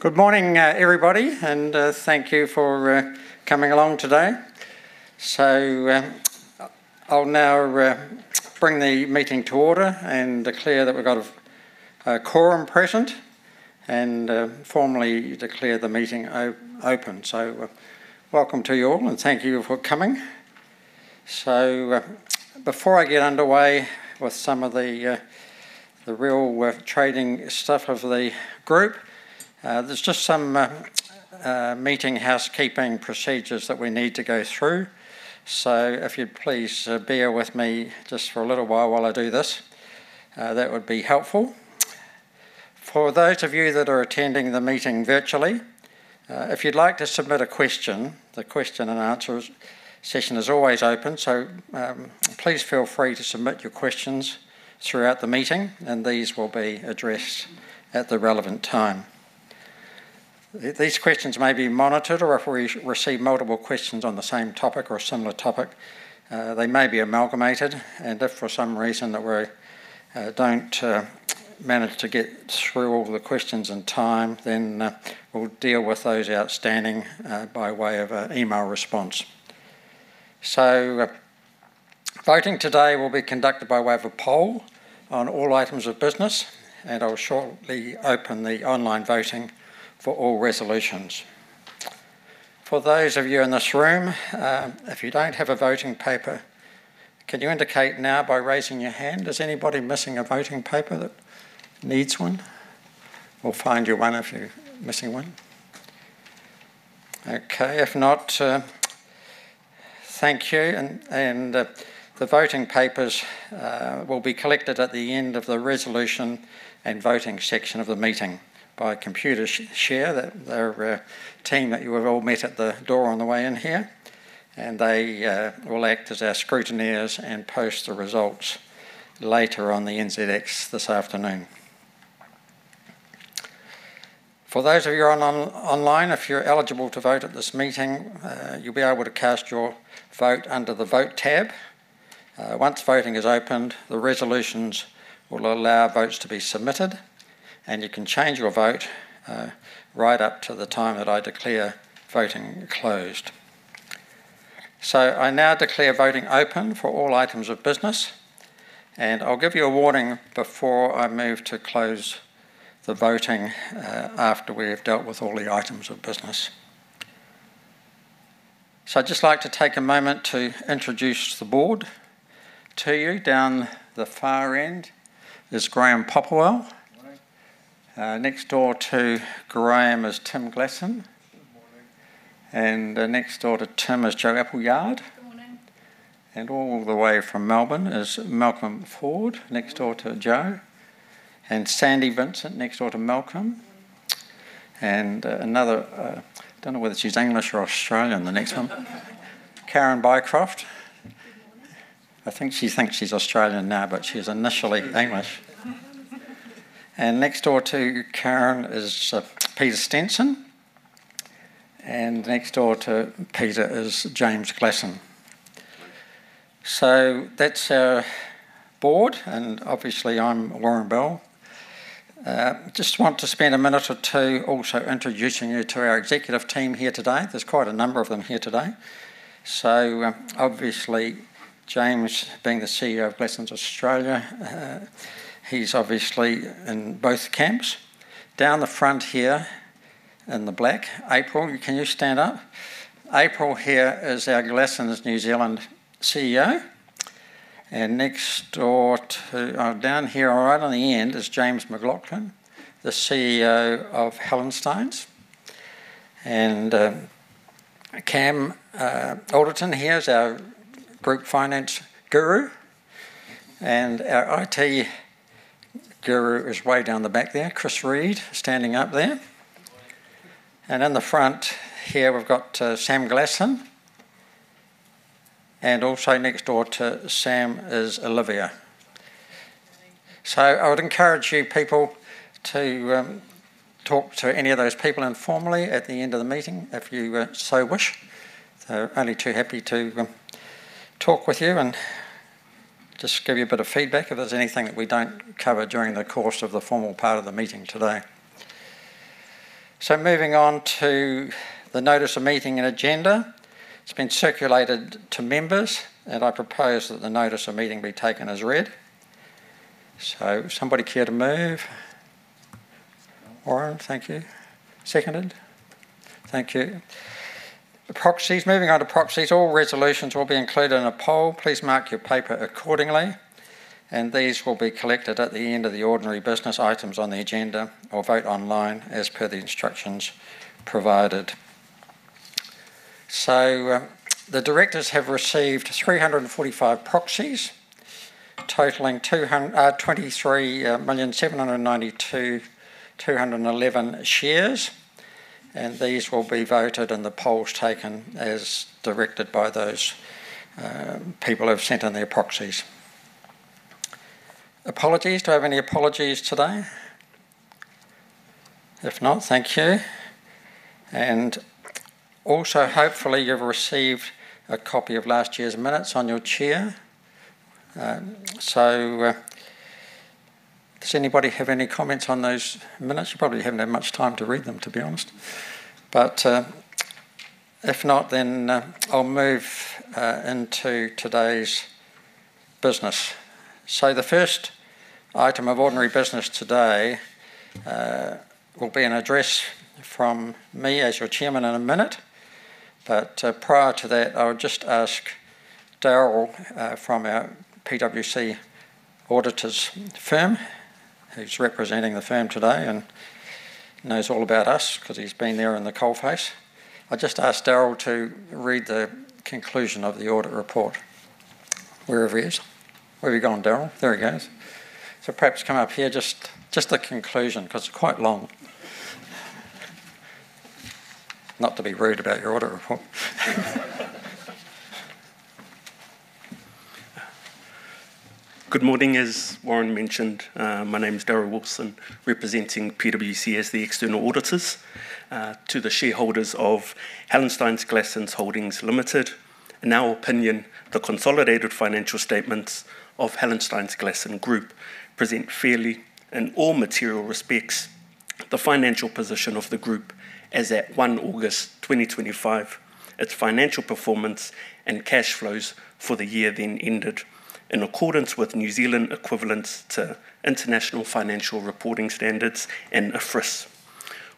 Goodmorning, everybody, and thank you for coming along today. So I'll now bring the meeting to order and declare that we've got a quorum present and formally declare the meeting open. So welcome to you all, and thank you for coming. So before I get underway with some of the real trading stuff of the group, there's just some meeting housekeeping procedures that we need to go through. So if you'd please bear with me just for a little while while I do this, that would be helpful. For those of you that are attending the meeting virtually, if you'd like to submit a question, the question and answer session is always open. So please feel free to submit your questions throughout the meeting, and these will be addressed at the relevant time. These questions may be monitored, or if we receive multiple questions on the same topic or a similar topic, they may be amalgamated, and if for some reason that we don't manage to get through all the questions in time, then we'll deal with those outstanding by way of an email response, so voting today will be conducted by way of a poll on all items of business, and I'll shortly open the online voting for all resolutions. For those of you in this room, if you don't have a voting paper, can you indicate now by raising your hand? Is anybody missing a voting paper that needs one? We'll find you one if you're missing one. Okay. If not, thank you, and the voting papers will be collected at the end of the resolution and voting section of the meeting by Computershare. The team that you have all met at the door on the way in here, and they will act as our scrutineers and post the results later on the NZX this afternoon. For those of you online, if you're eligible to vote at this meeting, you'll be able to cast your vote under the vote tab. Once voting is opened, the resolutions will allow votes to be submitted, and you can change your vote right up to the time that I declare voting closed. So I now declare voting open for all items of business, and I'll give you a warning before I move to close the voting after we have dealt with all the items of business. So I'd just like to take a moment to introduce the board to you. Down the far end is Graeme Popplewell. Good morning. Next door to Graeme is Tim Glasson. Good morning. Next door to Tim is Jo Appleyard. Good morning. And all the way from Melbourne is Malcolm Ford, next door to Jo, and Sandy Vincent, next door to Malcolm. And another, I don't know whether she's English or Australian the next one. Karen Bycroft. I think she thinks she's Australian now, but she was initially English. And next door to Karen is Peter Steenson, and next door to Peter is James Glasson. So that's our board, and obviously I'm Warren Bell. Just want to spend a minute or two also introducing you to our executive team here today. There's quite a number of them here today. So obviously, James, being the CEO of Glassons Australia, he's obviously in both camps. Down the front here in the black, April, can you stand up? April here is our Glassons New Zealand CEO. And down here, right on the end, is James McLaughlan, the CEO of Hallensteins. And Cam Alderton here is our group finance guru. And our IT guru is way down the back there, Chris Reid, standing up there. And in the front here, we've got Sam Glasson. And also next door to Sam is Olivia. So I would encourage you people to talk to any of those people informally at the end of the meeting, if you so wish. They're only too happy to talk with you and just give you a bit of feedback if there's anything that we don't cover during the course of the formal part of the meeting today. So moving on to the notice of meeting and agenda. It's been circulated to members, and I propose that the notice of meeting be taken as read. So somebody care to move? Warren, thank you. Seconded? Thank you. Proxies. Moving on to proxies. All resolutions will be included in a poll. Please mark your paper accordingly. And these will be collected at the end of the ordinary business items on the agenda or vote online as per the instructions provided. The directors have received 345 proxies totaling 23,792,211 shares. These will be voted and the polls taken as directed by those people who have sent in their proxies. Apologies. Do I have any apologies today? If not, thank you. Also, hopefully, you've received a copy of last year's minutes on your chair. Does anybody have any comments on those minutes? You probably haven't had much time to read them, to be honest. If not, then I'll move into today's business. The first item of ordinary business today will be an address from me as your Chairman in a minute. But prior to that, I'll just ask Daryl from our PwC auditors' firm, who's representing the firm today and knows all about us because he's been at the coalface. I just asked Daryl to read the conclusion of the audit report, wherever he is. Where have you gone, Daryl? There he goes. So perhaps come up here, just the conclusion because it's quite long. Not to be rude about your audit report. Good morning, as Warren mentioned. My name is Daryl Watson, representing PwC as the external auditors to the shareholders of Hallenstein Glasson Holdings Limited. In our opinion, the consolidated financial statements of Hallenstein Glasson Group present fairly, in all material respects, the financial position of the group as at 1 August 2025, its financial performance and cash flows for the year then ended in accordance with New Zealand equivalents to international financial reporting standards and IFRS.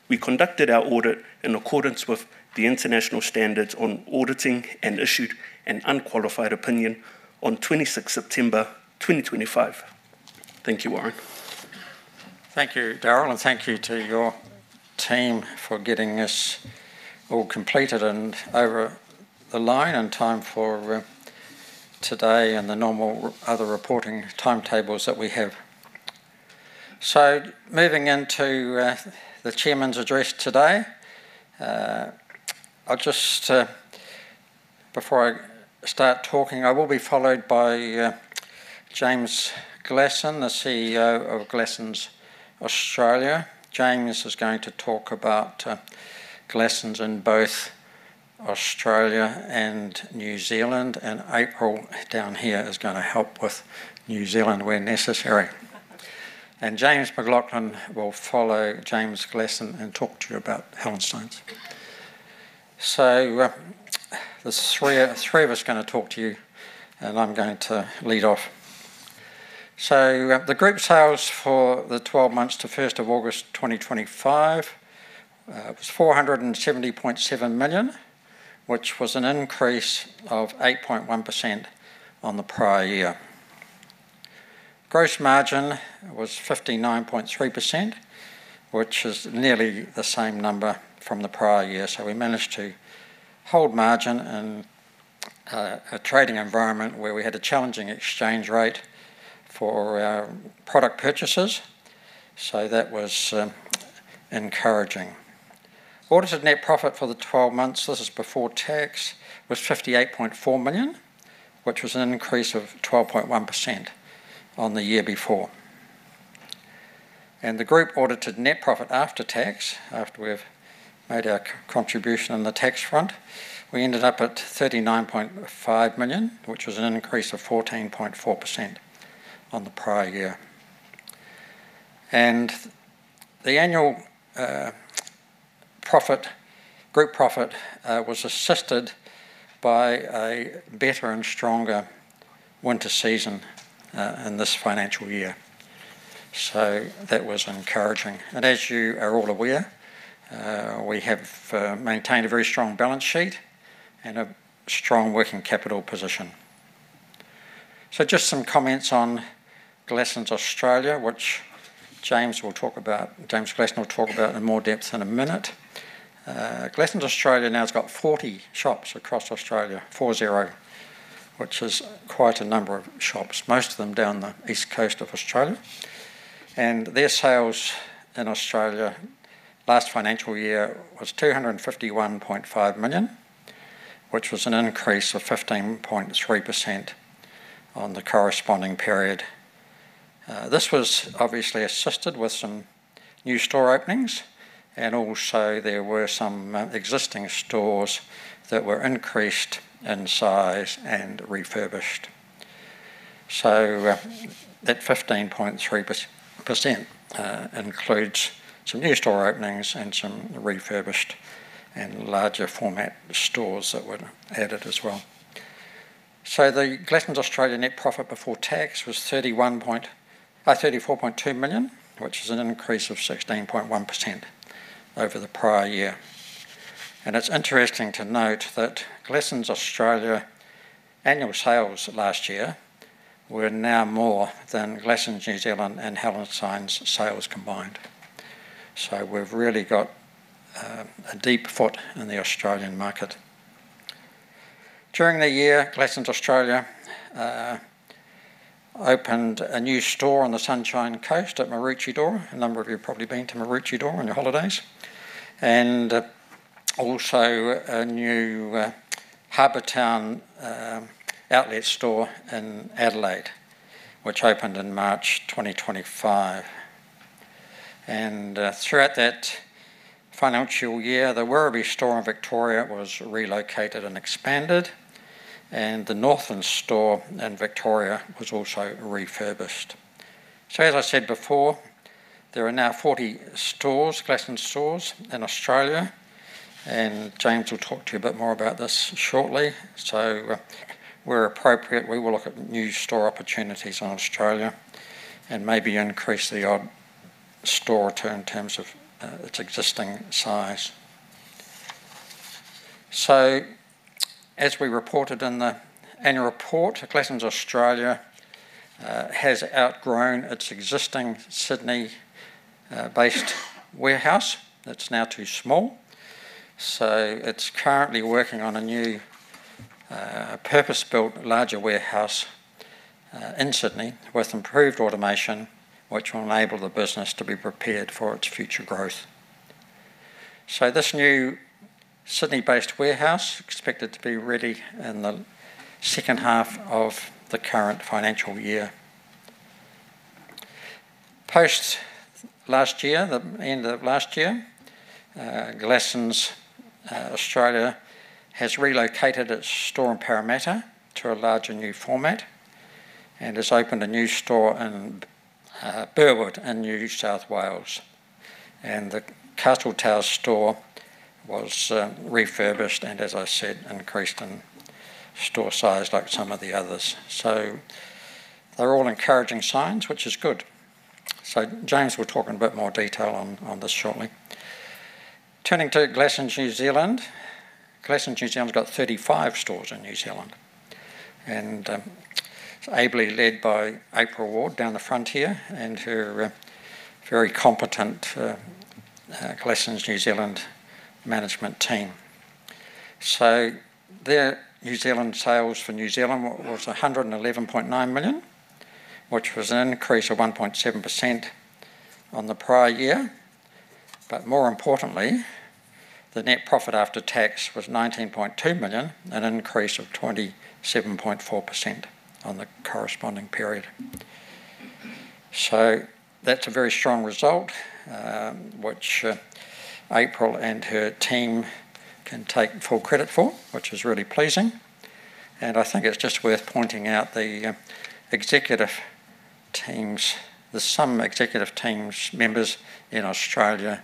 We conducted our audit in accordance with the international standards on auditing and issued an unqualified opinion on 26 September 2025. Thank you, Warren. Thank you, Daryl, and thank you to your team for getting this all completed and over the line in time for today and the normal other reporting timetables that we have. So moving into the chairman's address today, I'll just, before I start talking, I will be followed by James Glasson, the CEO of Glassons Australia. James is going to talk about Glassons in both Australia and New Zealand, and April down here is going to help with New Zealand where necessary. And James McLaughlan will follow James Glasson and talk to you about Hallensteins. So the three of us are going to talk to you, and I'm going to lead off. So the group sales for the 12 months to 1st of August 2025 was 470.7 million, which was an increase of 8.1% on the prior year. Gross margin was 59.3%, which is nearly the same number from the prior year. So we managed to hold margin in a trading environment where we had a challenging exchange rate for our product purchases. So that was encouraging. Audited net profit for the 12 months, this is before tax, was 58.4 million, which was an increase of 12.1% on the year before. And the group audited net profit after tax, after we've made our contribution on the tax front, we ended up at 39.5 million, which was an increase of 14.4% on the prior year. And the annual group profit was assisted by a better and stronger winter season in this financial year. So that was encouraging. And as you are all aware, we have maintained a very strong balance sheet and a strong working capital position. So just some comments on Glassons Australia, which James will talk about, James Glasson will talk about in more depth in a minute. Glassons Australia now has got 40 shops across Australia, four-zero, which is quite a number of shops, most of them down the east coast of Australia. And their sales in Australia last financial year was 251.5 million, which was an increase of 15.3% on the corresponding period. This was obviously assisted with some new store openings, and also there were some existing stores that were increased in size and refurbished. So that 15.3% includes some new store openings and some refurbished and larger-format stores that were added as well. So the Glassons Australia net profit before tax was 34.2 million, which is an increase of 16.1% over the prior year. And it's interesting to note that Glassons Australia's annual sales last year were now more than Glassons New Zealand and Hallensteins sales combined. So we've really got a deep foot in the Australian market. During the year, Glassons Australia opened a new store on the Sunshine Coast at Maroochydore. A number of you have probably been to Maroochydore on your holidays. And also a new Harbour Town Outlet store in Adelaide, which opened in March 2025. And throughout that financial year, the Werribee store in Victoria was relocated and expanded, and the Northland store in Victoria was also refurbished. So as I said before, there are now 40 Glassons stores in Australia, and James will talk to you a bit more about this shortly. So where appropriate, we will look at new store opportunities in Australia and maybe increase the odd store in terms of its existing size. As we reported in the annual report, Glassons Australia has outgrown its existing Sydney-based warehouse. It's now too small. It's currently working on a new purpose-built larger warehouse in Sydney with improved automation, which will enable the business to be prepared for its future growth. This new Sydney-based warehouse is expected to be ready in the second half of the current financial year. Post last year, the end of last year, Glassons Australia has relocated its store in Parramatta to a larger new format and has opened a new store in Burwood in New South Wales. The Castle Towers store was refurbished and, as I said, increased in store size like some of the others. They're all encouraging signs, which is good. James will talk in a bit more detail on this shortly. Turning to Glassons New Zealand, Glassons New Zealand's got 35 stores in New Zealand. And it's ably led by April Ward down the front here and her very competent Glassons New Zealand management team. So their New Zealand sales for New Zealand was 111.9 million, which was an increase of 1.7% on the prior year. But more importantly, the net profit after tax was 19.2 million, an increase of 27.4% on the corresponding period. So that's a very strong result, which April and her team can take full credit for, which is really pleasing. And I think it's just worth pointing out the executive teams, some executive team members in Australia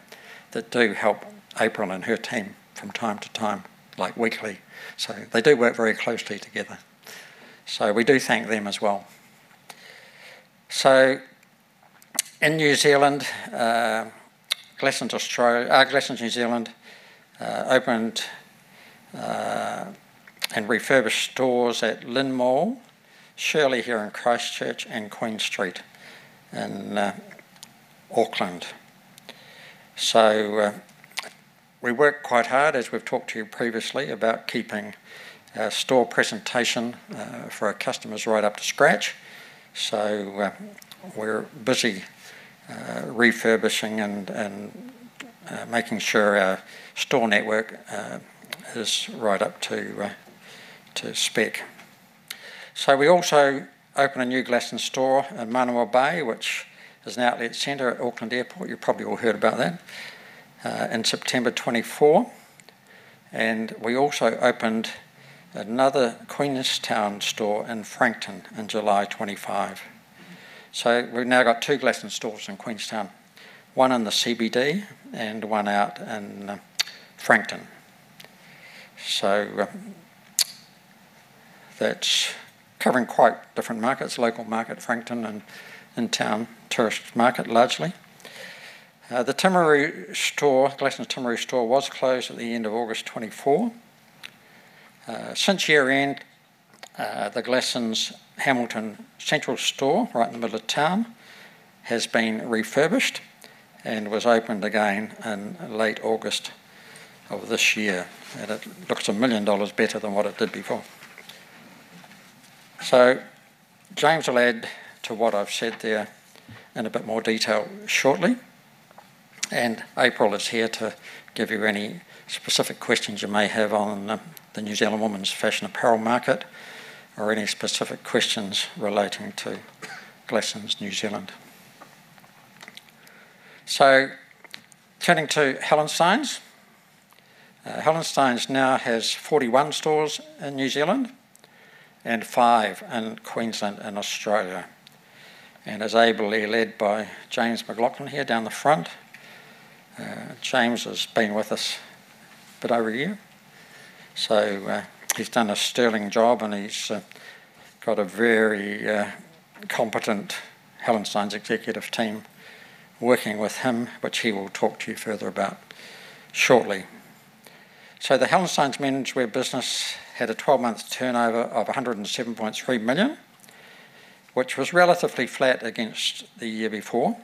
that do help April and her team from time to time, like weekly. So they do work very closely together. So we do thank them as well. In New Zealand, Glassons Australia opened and refurbished stores at LynnMall, Shirley here in Christchurch, and Queen Street in Auckland. We work quite hard, as we've talked to you previously, about keeping store presentation for our customers right up to scratch. We're busy refurbishing and making sure our store network is right up to spec. We also opened a new Glassons store in Mānawa Bay, which is an outlet center at Auckland Airport. You've probably all heard about that in September 2024. We also opened another Queenstown store in Frankton in July 2025. We've now got two Glassons stores in Queenstown, one in the CBD and one out in Frankton. That's covering quite different markets, local market Frankton and in-town tourist market largely. The Glassons Timaru store was closed at the end of August 2024. Since year-end, the Glassons Hamilton Central store, right in the middle of town, has been refurbished and was opened again in late August of this year, and it looks a million dollars better than what it did before, so James will add to what I've said there in a bit more detail shortly, and April is here to give you any specific questions you may have on the New Zealand women's fashion apparel market or any specific questions relating to Glassons New Zealand, so turning to Hallensteins. Hallensteins now has 41 stores in New Zealand and five in Queensland and Australia, and as always, they're led by James McLaughlan here down the front. James has been with us a bit over a year. So he's done a sterling job, and he's got a very competent Hallensteins executive team working with him, which he will talk to you further about shortly. The Hallensteins menswear business had a 12-month turnover of 107.3 million, which was relatively flat against the year before.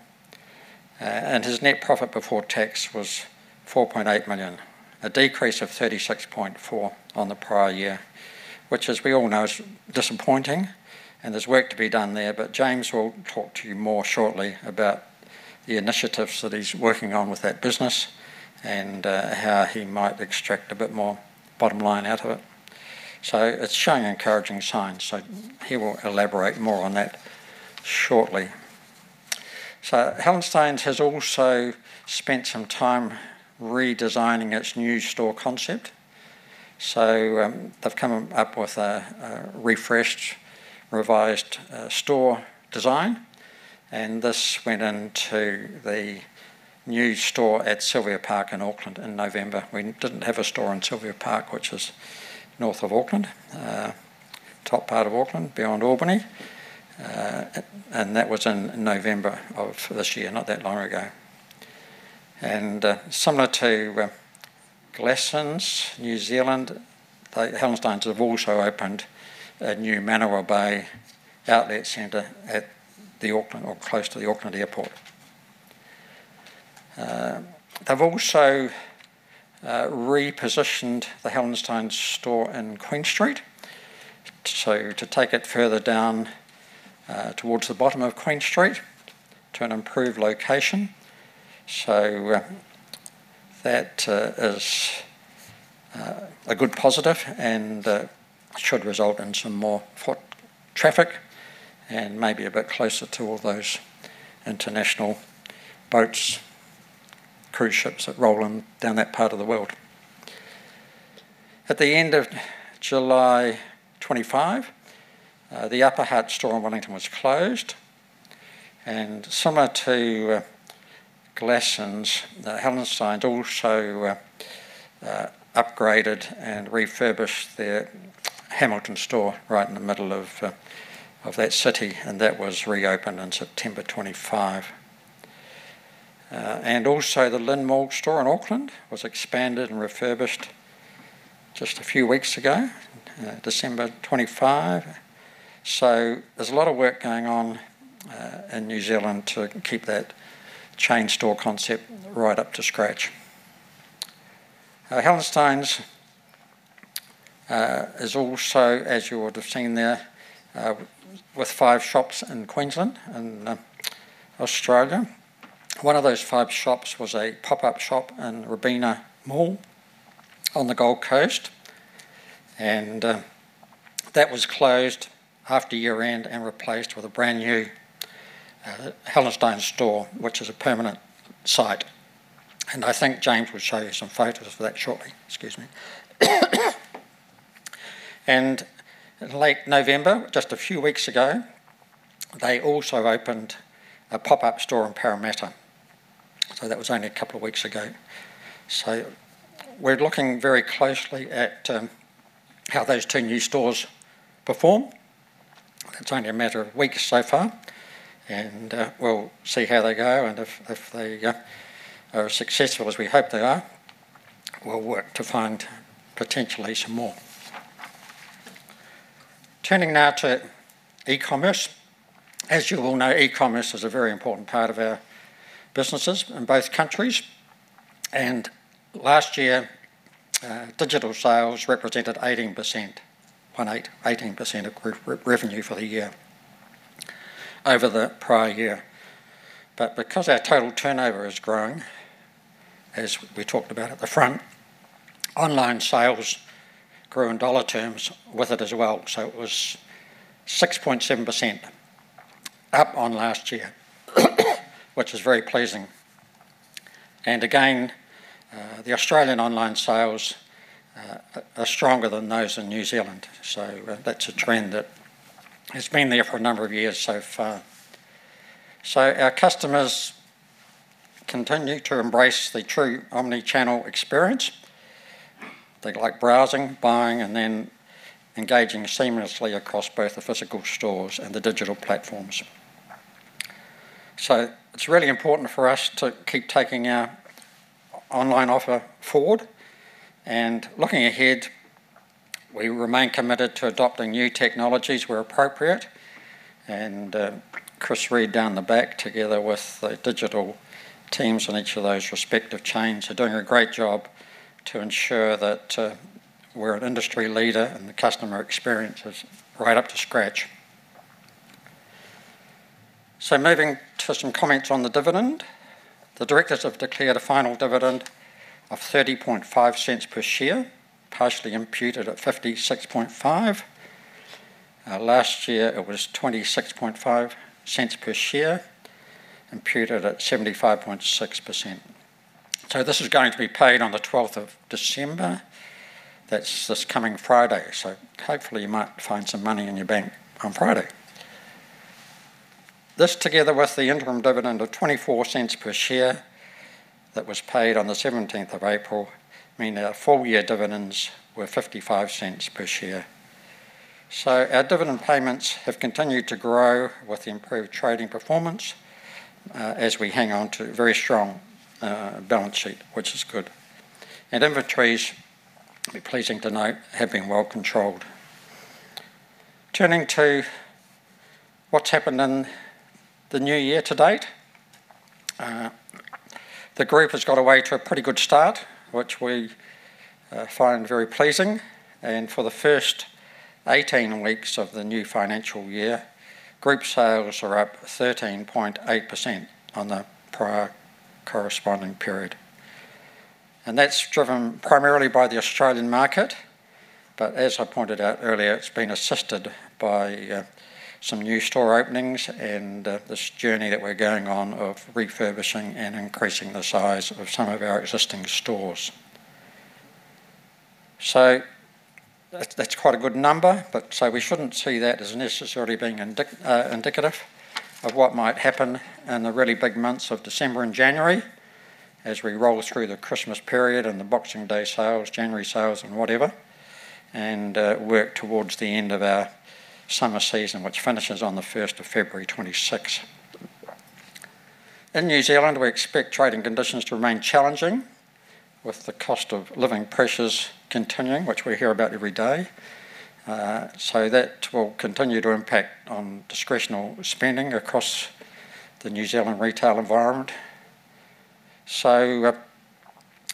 Its net profit before tax was 4.8 million, a decrease of 36.4% on the prior year, which, as we all know, is disappointing. There's work to be done there. James will talk to you more shortly about the initiatives that he's working on with that business and how he might extract a bit more bottom line out of it. It's showing encouraging signs. He will elaborate more on that shortly. Hallensteins has also spent some time redesigning its new store concept. They've come up with a refreshed, revised store design. This went into the new store at Sylvia Park in Auckland in November. We didn't have a store in Sylvia Park, which is north of Auckland, top part of Auckland, beyond Albany. And that was in November of this year, not that long ago. And similar to Glassons New Zealand, the Hallensteins have also opened a new Mānawa Bay outlet center at the Auckland or close to the Auckland Airport. They've also repositioned the Hallensteins store in Queen Street, so to take it further down towards the bottom of Queen Street to an improved location. So that is a good positive and should result in some more foot traffic and maybe a bit closer to all those international boats, cruise ships that roll down that part of the world. At the end of July 2025, the Upper Hutt store in Wellington was closed. And similar to Glassons, the Hallensteins also upgraded and refurbished their Hamilton store right in the middle of that city. That was reopened in September 2025. Also, the LynnMall store in Auckland was expanded and refurbished just a few weeks ago, December 2025. There's a lot of work going on in New Zealand to keep that chain store concept right up to scratch. Hallensteins is also, as you would have seen there, with five shops in Queensland and Australia. One of those five shops was a pop-up shop in Robina Mall on the Gold Coast. That was closed after year-end and replaced with a brand new Hallensteins store, which is a permanent site. I think James will show you some photos of that shortly. Excuse me. Late November, just a few weeks ago, they also opened a pop-up store in Parramatta. That was only a couple of weeks ago. We're looking very closely at how those two new stores perform. It's only a matter of weeks so far, and we'll see how they go, and if they are as successful as we hope they are, we'll work to find potentially some more. Turning now to e-commerce, as you all know, e-commerce is a very important part of our businesses in both countries, and last year, digital sales represented 18% of revenue for the year over the prior year. But because our total turnover is growing, as we talked about at the front, online sales grew in dollar terms with it as well, so it was 6.7% up on last year, which is very pleasing, and again, the Australian online sales are stronger than those in New Zealand, so that's a trend that has been there for a number of years so far, so our customers continue to embrace the true omnichannel experience. They like browsing, buying, and then engaging seamlessly across both the physical stores and the digital platforms. So it's really important for us to keep taking our online offer forward. And looking ahead, we remain committed to adopting new technologies where appropriate. And Chris Reid down the back, together with the digital teams on each of those respective chains, are doing a great job to ensure that we're an industry leader and the customer experience is right up to scratch. So moving to some comments on the dividend. The directors have declared a final dividend of 0.305 per share, partially imputed at 56.5%. Last year, it was 0.265 per share, imputed at 75.6%. So this is going to be paid on the 12th of December. That's this coming Friday. So hopefully, you might find some money in your bank on Friday. This, together with the interim dividend of 0.24 per share that was paid on the 17th of April, means that our full-year dividends were 0.55 per share, so our dividend payments have continued to grow with improved trading performance as we hang on to a very strong balance sheet, which is good, and inventories, it would be pleasing to note, have been well controlled. Turning to what has happened in the new year to date, the group has got off to a pretty good start, which we find very pleasing, and for the first 18 weeks of the new financial year, group sales are up 13.8% on the prior corresponding period, and that is driven primarily by the Australian market. But as I pointed out earlier, it's been assisted by some new store openings and this journey that we're going on of refurbishing and increasing the size of some of our existing stores. So that's quite a good number. But so we shouldn't see that as necessarily being indicative of what might happen in the really big months of December and January as we roll through the Christmas period and the Boxing Day sales, January sales, and whatever, and work towards the end of our summer season, which finishes on the 1st of February, 2026. In New Zealand, we expect trading conditions to remain challenging with the cost of living pressures continuing, which we hear about every day. So that will continue to impact on discretionary spending across the New Zealand retail environment. So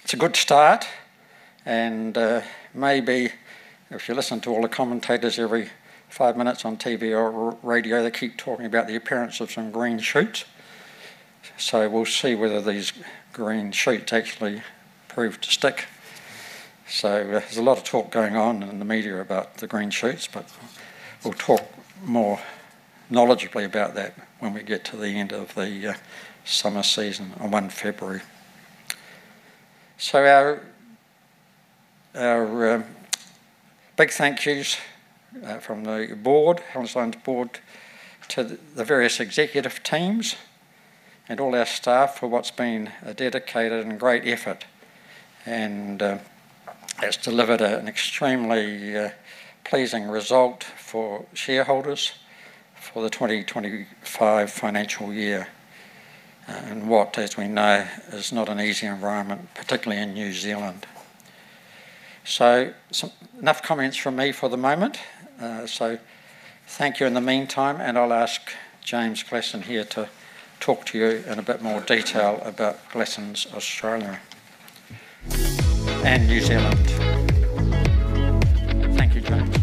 it's a good start. Maybe if you listen to all the commentators every five minutes on TV or radio, they keep talking about the appearance of some green shoots. We'll see whether these green shoots actually prove to stick. There's a lot of talk going on in the media about the green shoots, but we'll talk more knowledgeably about that when we get to the end of the summer season on 1 February. Our big thank yous from the board, Hallensteins Board, to the various executive teams and all our staff for what's been a dedicated and great effort. That's delivered an extremely pleasing result for shareholders for the 2025 financial year and what, as we know, is not an easy environment, particularly in New Zealand. Enough comments from me for the moment. Thank you in the meantime. I'll ask James Glasson here to talk to you in a bit more detail about Glassons, Australia and New Zealand. Thank you, James.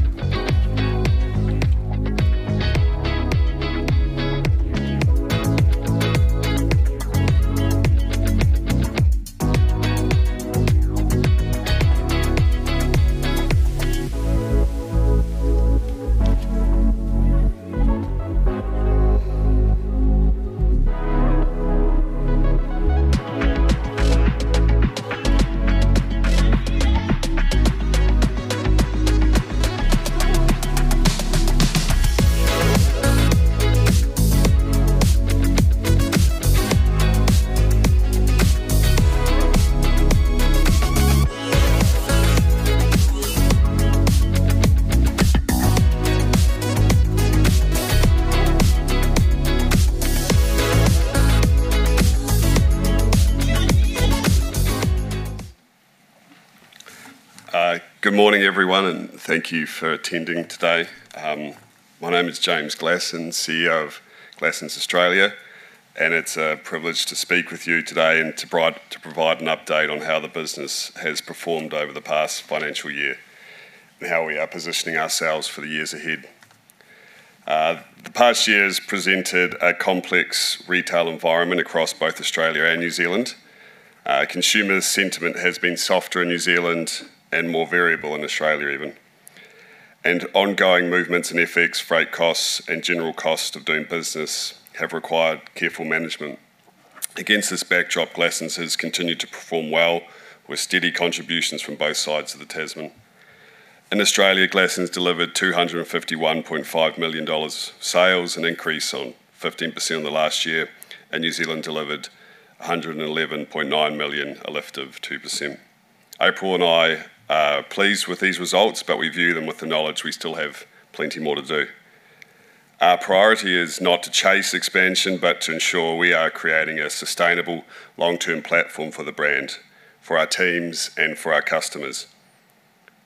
Good morning, everyone, and thank you for attending today. My name is James Glasson, CEO of Glassons Australia. It's a privilege to speak with you today and to provide an update on how the business has performed over the past financial year and how we are positioning ourselves for the years ahead. The past years presented a complex retail environment across both Australia and New Zealand. Consumer sentiment has been softer in New Zealand and more variable in Australia even. Ongoing movements in FX, freight costs, and general costs of doing business have required careful management. Against this backdrop, Glassons has continued to perform well with steady contributions from both sides of the Tasman. In Australia, Glassons delivered 251.5 million dollars sales, an increase of 15% in the last year, and New Zealand delivered 111.9 million, a lift of 2%. April and I are pleased with these results, but we view them with the knowledge we still have plenty more to do. Our priority is not to chase expansion, but to ensure we are creating a sustainable long-term platform for the brand, for our teams, and for our customers.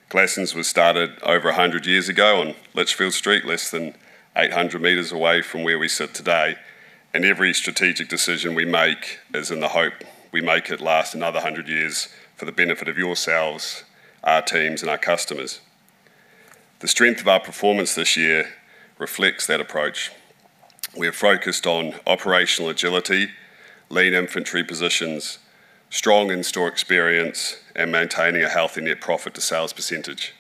Glassons was started over 100 years ago on Lichfield Street, less than 800 meters away from where we sit today, and every strategic decision we make is in the hope we make it last another 100 years for the benefit of yourselves, our teams, and our customers. The strength of our performance this year reflects that approach. We have focused on operational agility, lean inventory positions, strong in-store experience, and maintaining a healthy net profit-to-sales percentage.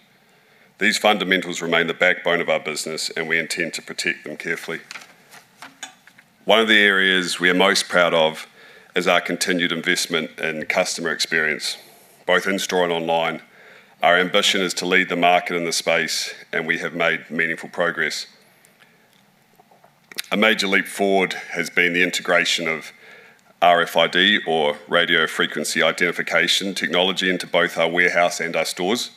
These fundamentals remain the backbone of our business, and we intend to protect them carefully. One of the areas we are most proud of is our continued investment in customer experience, both in-store and online. Our ambition is to lead the market in the space, and we have made meaningful progress. A major leap forward has been the integration of RFID, or Radio Frequency Identification technology, into both our warehouse and our stores.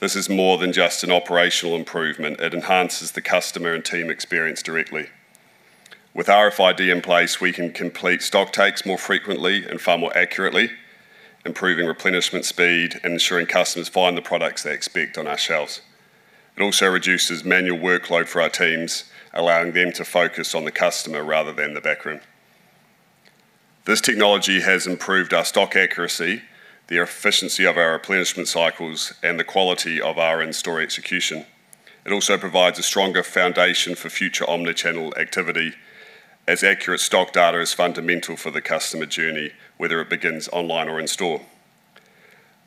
This is more than just an operational improvement. It enhances the customer and team experience directly. With RFID in place, we can complete stock takes more frequently and far more accurately, improving replenishment speed and ensuring customers find the products they expect on our shelves. It also reduces manual workload for our teams, allowing them to focus on the customer rather than the background. This technology has improved our stock accuracy, the efficiency of our replenishment cycles, and the quality of our in-store execution. It also provides a stronger foundation for future omnichannel activity, as accurate stock data is fundamental for the customer journey, whether it begins online or in-store.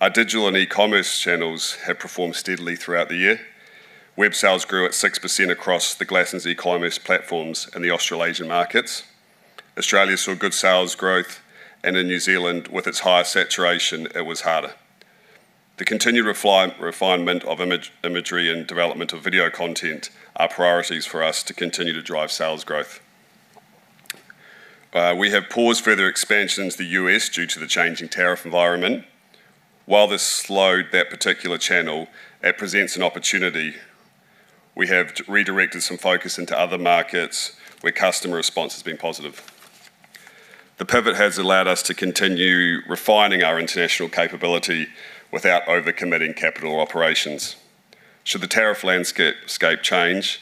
Our digital and e-commerce channels have performed steadily throughout the year. Web sales grew at 6% across the Glassons e-commerce platforms and the Australasian markets. Australia saw good sales growth, and in New Zealand, with its higher saturation, it was harder. The continued refinement of imagery and development of video content are priorities for us to continue to drive sales growth. We have paused further expansion into the U.S. due to the changing tariff environment. While this slowed that particular channel, it presents an opportunity. We have redirected some focus into other markets where customer response has been positive. The pivot has allowed us to continue refining our international capability without overcommitting capital operations. Should the tariff landscape change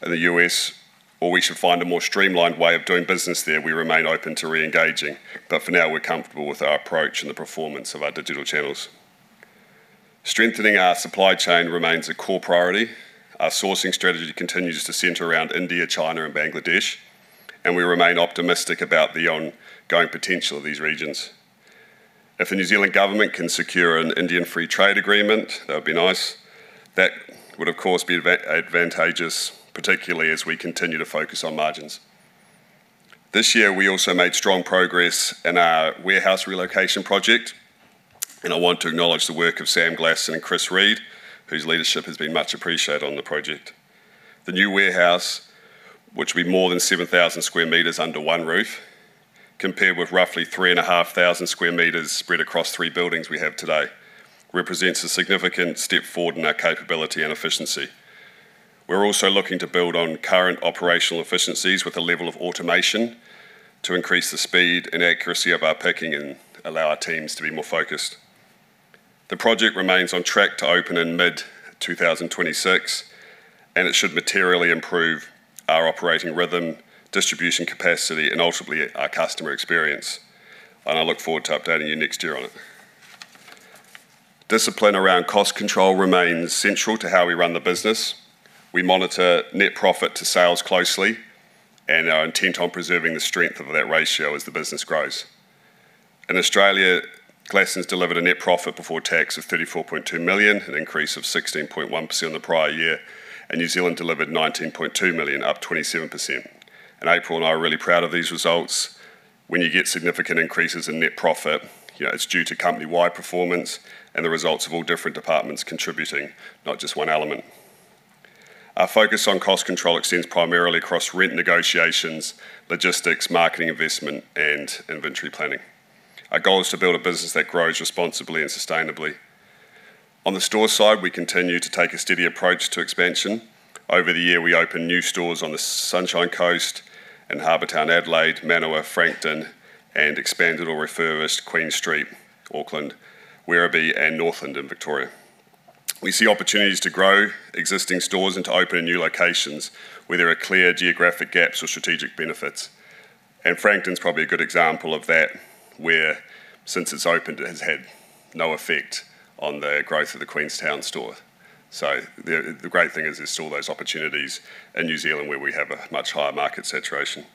in the U.S., or we should find a more streamlined way of doing business there, we remain open to re-engaging. But for now, we're comfortable with our approach and the performance of our digital channels. Strengthening our supply chain remains a core priority. Our sourcing strategy continues to center around India, China, and Bangladesh, and we remain optimistic about the ongoing potential of these regions. If the New Zealand government can secure an Indian free trade agreement, that would be nice. That would, of course, be advantageous, particularly as we continue to focus on margins. This year, we also made strong progress in our warehouse relocation project, and I want to acknowledge the work of Sam Glasson and Chris Reid, whose leadership has been much appreciated on the project. The new warehouse, which will be more than 7,000 sq m under one roof, compared with roughly 3,500 sq m spread across three buildings we have today, represents a significant step forward in our capability and efficiency. We're also looking to build on current operational efficiencies with a level of automation to increase the speed and accuracy of our packing and allow our teams to be more focused. The project remains on track to open in mid-2026, and it should materially improve our operating rhythm, distribution capacity, and ultimately our customer experience, and I look forward to updating you next year on it. Discipline around cost control remains central to how we run the business. We monitor net profit to sales closely and our intent on preserving the strength of that ratio as the business grows. In Australia, Glassons delivered a net profit before tax of 34.2 million, an increase of 16.1% in the prior year. New Zealand delivered 19.2 million, up 27%. April and I are really proud of these results. When you get significant increases in net profit, it's due to company-wide performance and the results of all different departments contributing, not just one element. Our focus on cost control extends primarily across rent negotiations, logistics, marketing investment, and inventory planning. Our goal is to build a business that grows responsibly and sustainably. On the store side, we continue to take a steady approach to expansion. Over the year, we opened new stores on the Sunshine Coast and Harbour Town, Adelaide, Maroochydore, Frankton, and expanded or refurbished Queen Street, Auckland, Werribee, and Northland in Victoria. We see opportunities to grow existing stores into open and new locations where there are clear geographic gaps or strategic benefits. And Frankton's probably a good example of that, where, since it's opened, it has had no effect on the growth of the Queenstown store. So the great thing is there's still those opportunities in New Zealand where we have a much higher market saturation.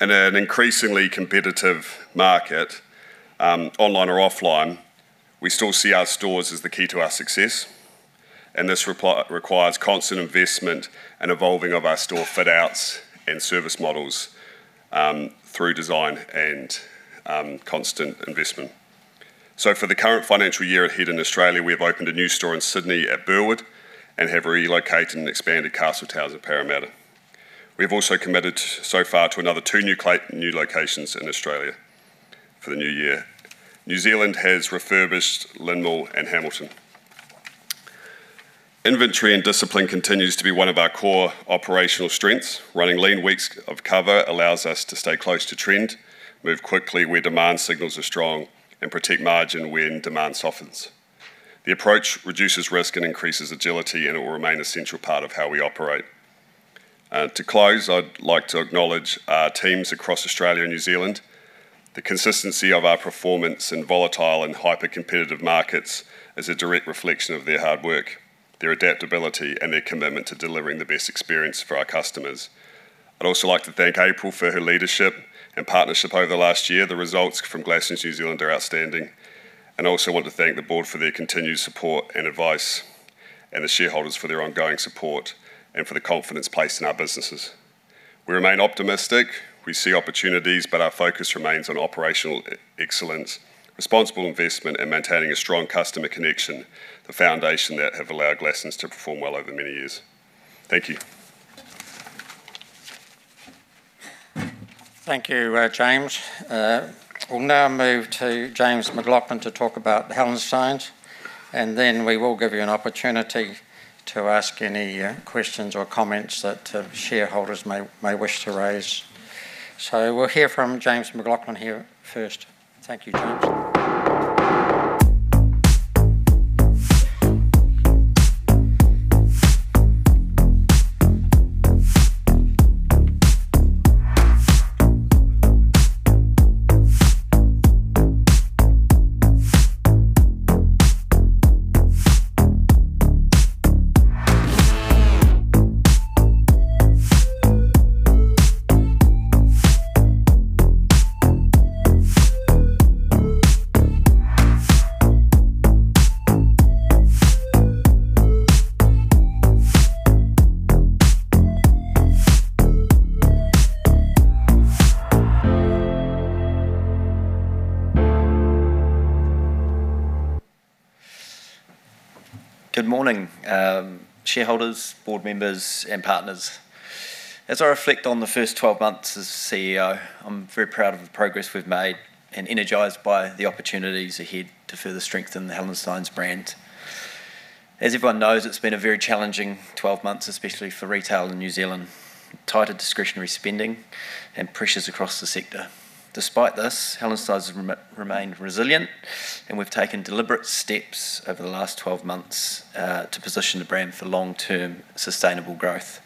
In an increasingly competitive market, online or offline, we still see our stores as the key to our success. And this requires constant investment and evolving of our store fit-outs and service models through design and constant investment. So for the current financial year ahead in Australia, we have opened a new store in Sydney at Burwood and have relocated and expanded Castle Towers at Parramatta. We have also committed so far to another two new locations in Australia for the new year. New Zealand has refurbished LynnMall and Hamilton. Inventory and discipline continues to be one of our core operational strengths. Running lean weeks of cover allows us to stay close to trend, move quickly where demand signals are strong, and protect margin when demand softens. The approach reduces risk and increases agility, and it will remain a central part of how we operate. To close, I'd like to acknowledge our teams across Australia and New Zealand. The consistency of our performance in volatile and hyper-competitive markets is a direct reflection of their hard work, their adaptability, and their commitment to delivering the best experience for our customers. I'd also like to thank April for her leadership and partnership over the last year. The results from Glassons New Zealand are outstanding. And I also want to thank the board for their continued support and advice, and the shareholders for their ongoing support and for the confidence placed in our businesses. We remain optimistic. We see opportunities, but our focus remains on operational excellence, responsible investment, and maintaining a strong customer connection, the foundation that have allowed Glassons to perform well over many years. Thank you. Thank you, James. We'll now move to James McLaughlan to talk about the Hallensteins. Then we will give you an opportunity to ask any questions or comments that shareholders may wish to raise. We'll hear from James McLaughlan here first. Thank you, James. Good morning, shareholders, board members, and partners. As I reflect on the first 12 months as CEO, I'm very proud of the progress we've made and energized by the opportunities ahead to further strengthen the Hallensteins brand. As everyone knows, it's been a very challenging 12 months, especially for retail in New Zealand, tighter discretionary spending, and pressures across the sector. Despite this, Hallensteins have remained resilient, and we've taken deliberate steps over the last 12 months to position the brand for long-term sustainable growth.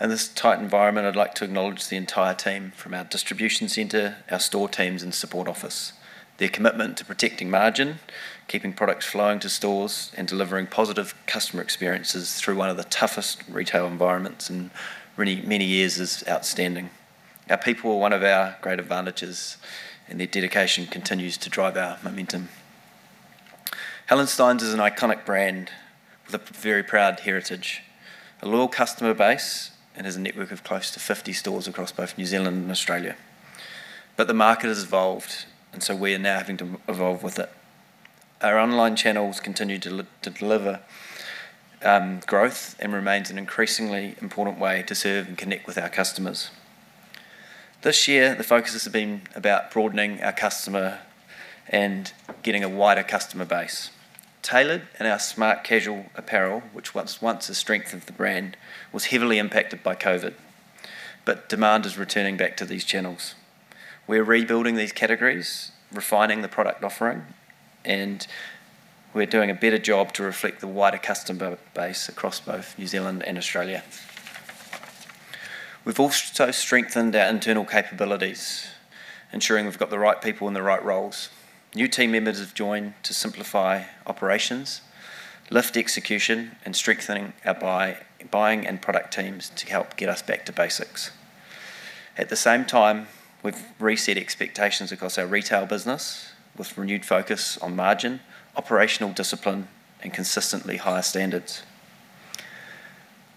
In this tight environment, I'd like to acknowledge the entire team from our distribution center, our store teams, and support office. Their commitment to protecting margin, keeping products flowing to stores, and delivering positive customer experiences through one of the toughest retail environments in many years is outstanding. Our people are one of our great advantages, and their dedication continues to drive our momentum. Hallensteins is an iconic brand with a very proud heritage, a loyal customer base, and has a network of close to 50 stores across both New Zealand and Australia. But the market has evolved, and so we are now having to evolve with it. Our online channels continue to deliver growth and remain an increasingly important way to serve and connect with our customers. This year, the focus has been about broadening our customer and getting a wider customer base. Tailored and our smart casual apparel, which once was a strength of the brand, was heavily impacted by COVID, but demand is returning back to these channels. We are rebuilding these categories, refining the product offering, and we're doing a better job to reflect the wider customer base across both New Zealand and Australia. We've also strengthened our internal capabilities, ensuring we've got the right people in the right roles. New team members have joined to simplify operations, lift execution, and strengthen our buying and product teams to help get us back to basics. At the same time, we've reset expectations across our retail business with renewed focus on margin, operational discipline, and consistently higher standards.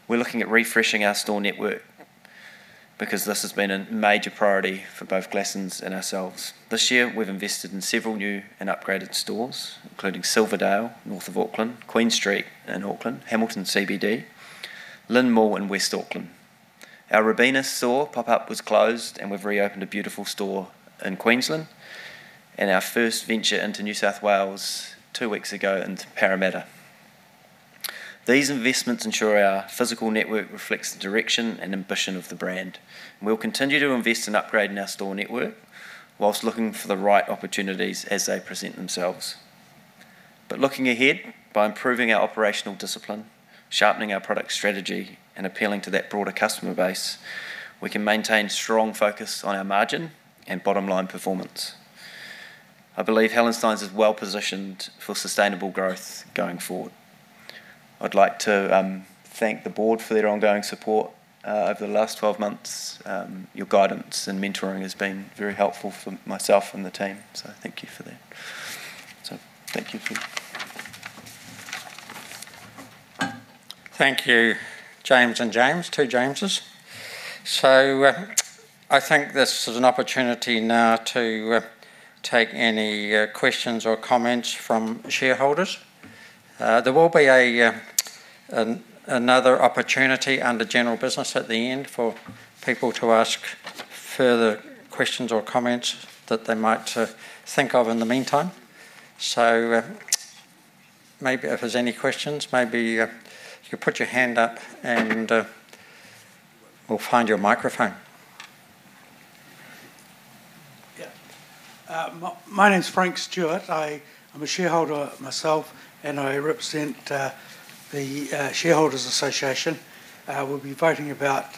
We're looking at refreshing our store network because this has been a major priority for both Glassons and ourselves. This year, we've invested in several new and upgraded stores, including Silverdale, north of Auckland, Queen Street in Auckland, Hamilton CBD, LynnMall, and West Auckland. Our Robina store pop-up was closed, and we've reopened a beautiful store in Queensland and our first venture into New South Wales two weeks ago into Parramatta. These investments ensure our physical network reflects the direction and ambition of the brand. We'll continue to invest in upgrading our store network while looking for the right opportunities as they present themselves, but looking ahead by improving our operational discipline, sharpening our product strategy, and appealing to that broader customer base, we can maintain strong focus on our margin and bottom-line performance. I believe Hallensteins is well-positioned for sustainable growth going forward. I'd like to thank the board for their ongoing support over the last 12 months. Your guidance and mentoring has been very helpful for myself and the team, so thank you for that. Thank you, James and James, two Jameses. So I think this is an opportunity now to take any questions or comments from shareholders. There will be another opportunity under general business at the end for people to ask further questions or comments that they might think of in the meantime. So maybe if there's any questions, maybe you can put your hand up and we'll find your microphone. Yeah. My name's Frank Stewart. I'm a shareholder myself, and I represent the Shareholders Association. We'll be voting about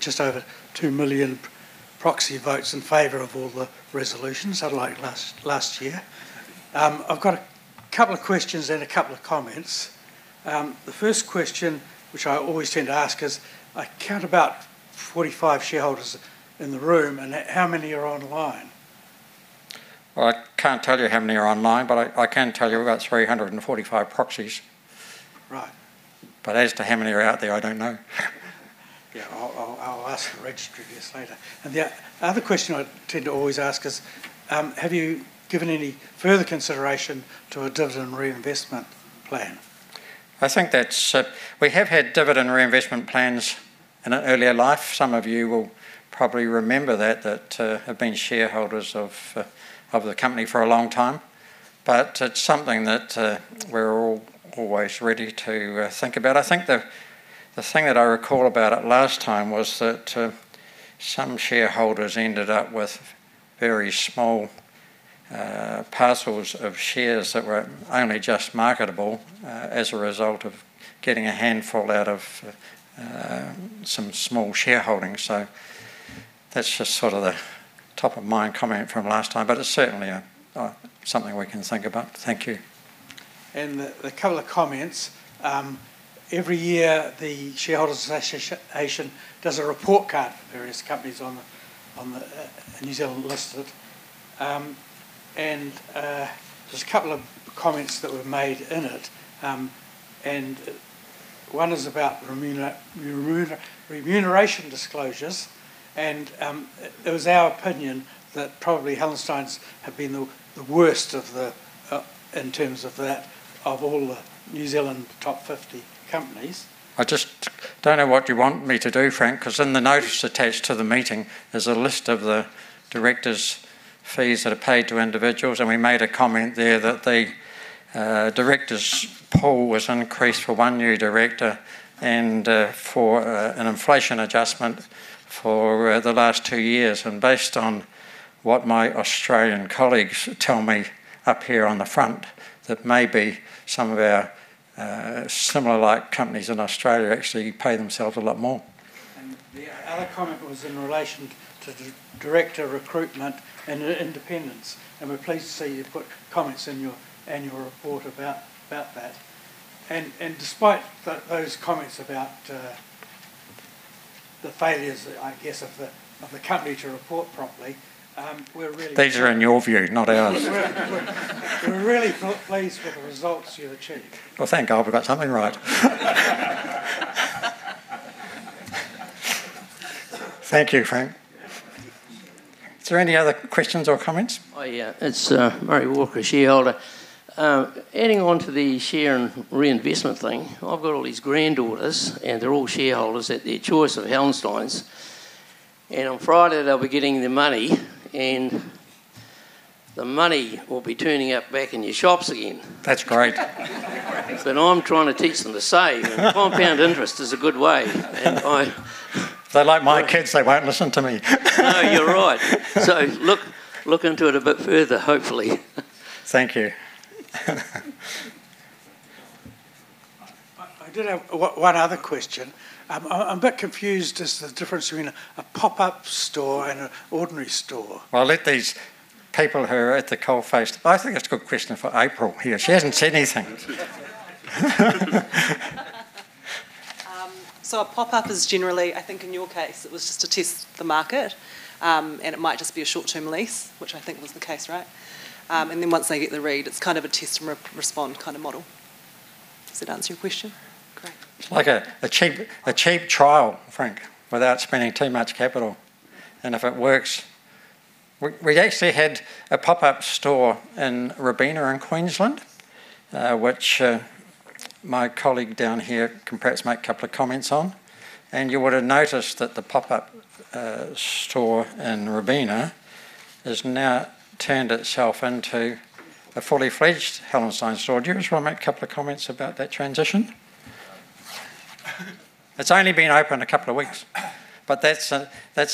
just over 2 million proxy votes in favor of all the resolutions like last year. I've got a couple of questions and a couple of comments. The first question, which I always tend to ask, is I count about 45 shareholders in the room, and how many are online? I can't tell you how many are online, but I can tell you about 345 proxies. Right. But as to how many are out there, I don't know. Yeah, I'll ask the registrar this later. And the other question I tend to always ask is, have you given any further consideration to a dividend reinvestment plan? I think that's we have had dividend reinvestment plans in an earlier life. Some of you will probably remember that, that have been shareholders of the company for a long time. But it's something that we're all always ready to think about. I think the thing that I recall about it last time was that some shareholders ended up with very small parcels of shares that were only just marketable as a result of getting a handful out of some small shareholding. So that's just sort of the top-of-mind comment from last time, but it's certainly something we can think about. Thank you. And a couple of comments. Every year, the Shareholders Association does a report card for various companies on the New Zealand listed. And there's a couple of comments that were made in it. And one is about remuneration disclosures. And it was our opinion that probably Hallensteins have been the worst in terms of that of all the New Zealand top 50 companies. I just don't know what you want me to do, Frank, because in the notice attached to the meeting, there's a list of the directors' fees that are paid to individuals. And we made a comment there that the directors' pool was increased for one new director and for an inflation adjustment for the last two years. And based on what my Australian colleagues tell me up here on the front, that maybe some of our similar-like companies in Australia actually pay themselves a lot more. And the other comment was in relation to director recruitment and independence. And we're pleased to see you put comments in your annual report about that. And despite those comments about the failures, I guess, of the company to report properly, we're really. These are in your view, not ours. We're really pleased with the results you've achieved. Well, thank God we got something right. Thank you, Frank. Is there any other questions or comments? Oh, yeah. It's Murray Walker, shareholder. Adding on to the share and reinvestment thing, I've got all these granddaughters, and they're all shareholders at their choice of Hallensteins. And on Friday, they'll be getting their money, and the money will be turning up back in your shops again. That's great. But I'm trying to teach them to save, and compound interest is a good way. They're like my kids. They won't listen to me. No, you're right. So look into it a bit further, hopefully. Thank you. I did have one other question. I'm a bit confused as to the difference between a pop-up store and an ordinary store. Well, let these people who are at the coalface. I think it's a good question for April here. She hasn't said anything. So a pop-up is generally, I think in your case, it was just to test the market, and it might just be a short-term lease, which I think was the case, right? And then once they get the read, it's kind of a test and respond kind of model. Does that answer your question? Great. Like a cheap trial, Frank, without spending too much capital. And if it works, we actually had a pop-up store in Robina in Queensland, which my colleague down here can perhaps make a couple of comments on. You would have noticed that the pop-up store in Robina has now turned itself into a fully-fledged Hallensteins store. Do you just want to make a couple of comments about that transition? It's only been open a couple of weeks, but that's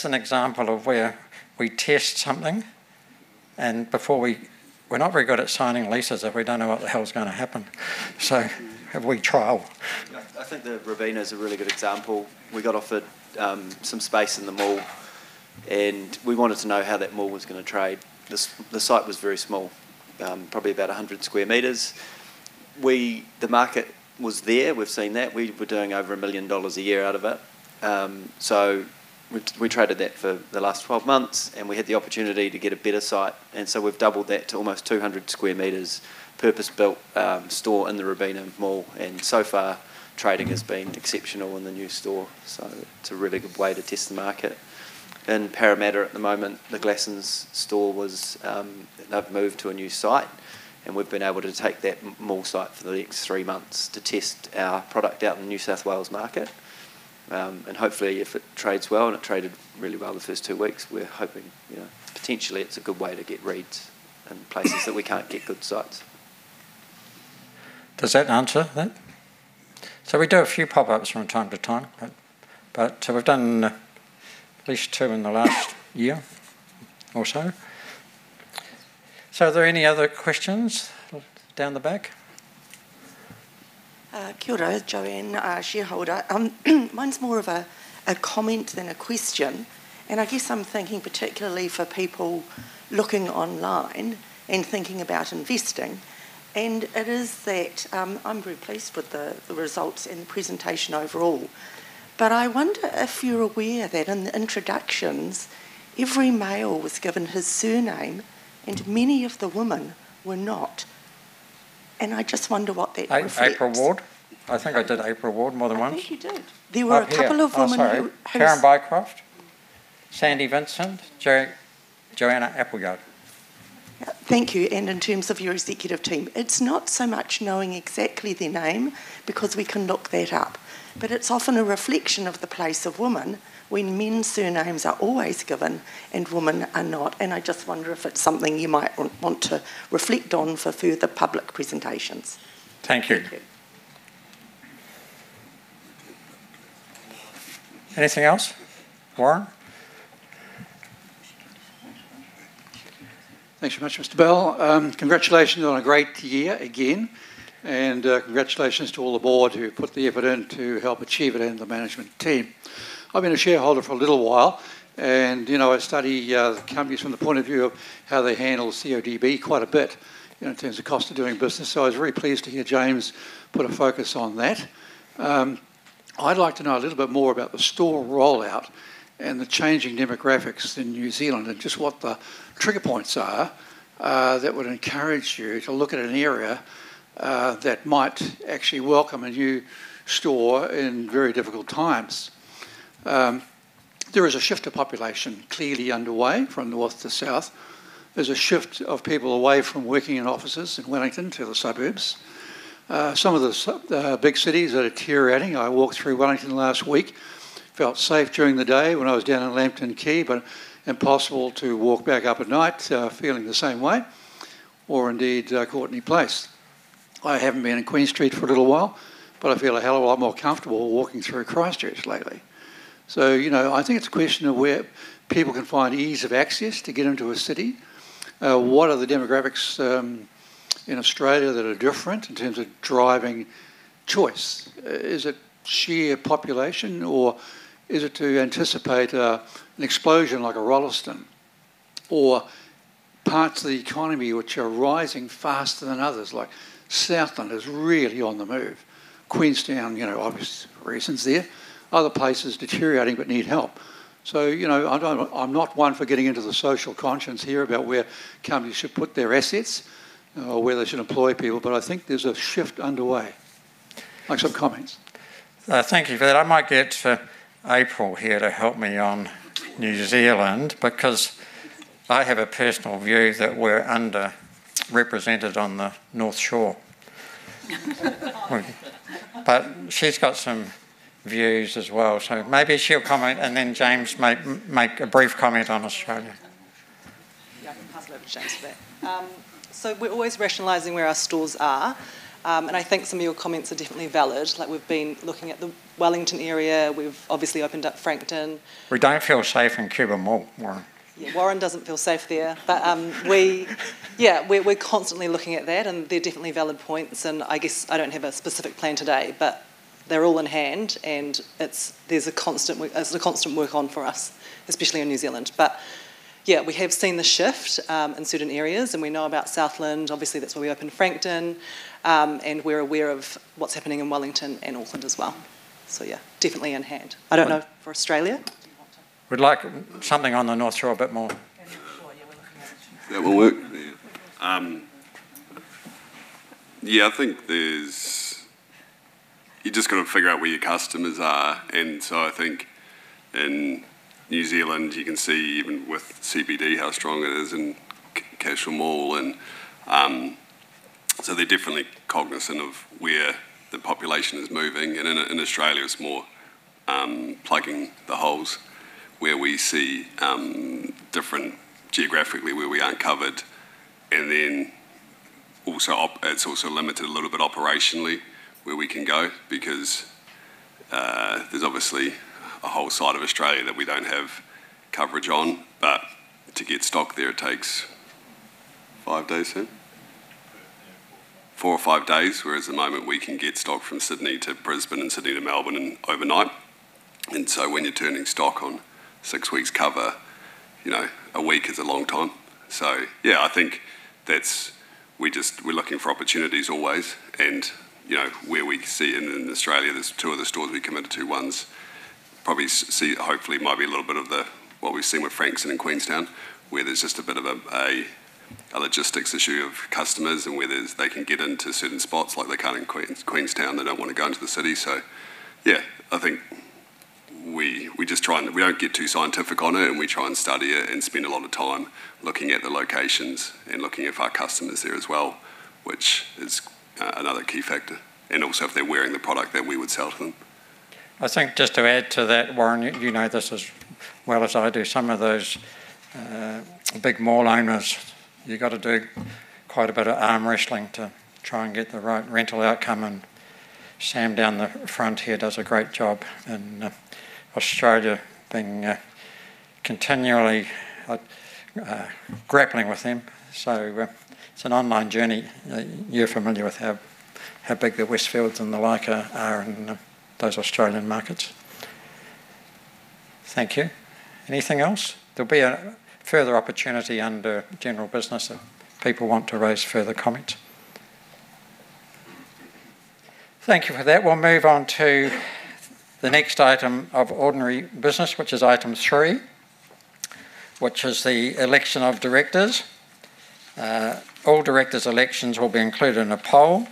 an example of where we test something. And before we're not very good at signing leases if we don't know what the hell's going to happen. So have we trialed? I think the Robina is a really good example. We got offered some space in the mall, and we wanted to know how that mall was going to grtrade. The site was very small, probably about 100 sq m. The market was there. We've seen that. We were doing over 1 million dollars a year out of it. So we traded that for the last 12 months, and we had the opportunity to get a better site. And so we've doubled that to almost 200 square meters purpose-built store in the Robina mall. And so far, trading has been exceptional in the new store. So it's a really good way to test the market. In Parramatta at the moment, the Glassons store, they've moved to a new site, and we've been able to take that mall site for the next three months to test our product out in the New South Wales market. And hopefully, if it trades well and it traded really well the first two weeks, we're hoping potentially it's a good way to get a read in places that we can't get good sites. Does that answer that? So we do a few pop-ups from time to time, but we've done at least two in the last year or so. So are there any other questions down the back? Kia ora, Joanne, shareholder. Mine's more of a comment than a question. And I guess I'm thinking particularly for people looking online and thinking about investing. And it is that I'm very pleased with the results and the presentation overall. But I wonder if you're aware that in the introductions, every male was given his surname, and many of the women were not. And I just wonder what that means. April Ward. I think I did April Ward more than once. I think you did. There were a couple of women who. Karen Bycroft, Sandy Vincent, Joanne Appleyard. Thank you. And in terms of your executive team, it's not so much knowing exactly their name because we can look that up, but it's often a reflection of the place of women when men's surnames are always given and women are not. And I just wonder if it's something you might want to reflect on for further public presentations. Thank you. Anything else? Warren? Thanks very much, Mr. Bell. Congratulations on a great year again. And congratulations to all the board who put the effort in to help achieve it and the management team. I've been a shareholder for a little while, and I study companies from the point of view of how they handle CODB quite a bit in terms of cost of doing business. So I was very pleased to hear James put a focus on that. I'd like to know a little bit more about the store rollout and the changing demographics in New Zealand and just what the trigger points are that would encourage you to look at an area that might actually welcome a new store in very difficult times. There is a shift of population clearly underway from north to south. There's a shift of people away from working in offices in Wellington to the suburbs. Some of the big cities are deteriorating. I walked through Wellington last week, felt safe during the day when I was down in Lambton Quay, but impossible to walk back up at night, feeling the same way, or indeed Courtenay Place. I haven't been in Queen Street for a little while, but I feel a hell of a lot more comfortable walking through Christchurch lately. So I think it's a question of where people can find ease of access to get into a city. What are the demographics in Australia that are different in terms of driving choice? Is it sheer population, or is it to anticipate an explosion like a Rolleston or parts of the economy which are rising faster than others? Like Southland is really on the move. Queenstown, obvious reasons there. Other places deteriorating but need help. So I'm not one for getting into the social conscience here about where companies should put their assets or where they should employ people, but I think there's a shift underway. Thanks for the comments. Thank you for that. I might get April here to help me on New Zealand because I have a personal view that we're underrepresented on the North Shore. But she's got some views as well. So maybe she'll comment, and then James make a brief comment on Australia. Yeah, I can pass it over to James for that. So we're always rationalizing where our stores are. And I think some of your comments are definitely valid. Like we've been looking at the Wellington area. We've obviously opened up Frankton. We don't feel safe in Cuba anymore. Yeah, Warren doesn't feel safe there. But yeah, we're constantly looking at that, and they're definitely valid points. And I guess I don't have a specific plan today, but they're all in hand, and there's a constant work on for us, especially in New Zealand. But yeah, we have seen the shift in certain areas, and we know about Southland. Obviously, that's where we opened Frankton, and we're aware of what's happening in Wellington and Auckland as well. So yeah, definitely in hand. I don't know for Australia. We'd like something on the North Shore a bit more. Yeah, I think there, you're just going to figure out where your customers are. And so I think in New Zealand, you can see even with CBD how strong it is in Cashel Mall. And so they're definitely cognizant of where the population is moving. In Australia, it's more plugging the holes where we see different geographically where we aren't covered. Then it's also limited a little bit operationally where we can go because there's obviously a whole side of Australia that we don't have coverage on. To get stock there, it takes five days, four or five days, whereas at the moment we can get stock from Sydney to Brisbane and Sydney to Melbourne overnight. When you're turning stock on six weeks cover, a week is a long time. Yeah, I think we're looking for opportunities always. Where we see in Australia, there's two of the stores we committed to. One's probably hopefully might be a little bit of what we've seen with Frankton in Queenstown, where there's just a bit of a logistics issue of customers and where they can get into certain spots. Like they can't in Queenstown. They don't want to go into the city. So yeah, I think we just try and we don't get too scientific on it, and we try and study it and spend a lot of time looking at the locations and looking at our customers there as well, which is another key factor. And also if they're wearing the product that we would sell to them. I think just to add to that, Warren, you know this as well as I do, some of those big mall owners, you've got to do quite a bit of arm wrestling to try and get the right rental outcome. And Sam down the front here does a great job in Australia being continually grappling with them. So it's an ongoing journey. You're familiar with how big the Westfield and the like are in those Australian markets. Thank you. Anything else? There'll be a further opportunity under general business if people want to raise further comments. Thank you for that. We'll move on to the next item of ordinary business, which is item three, which is the election of directors. All directors' elections will be included in a poll,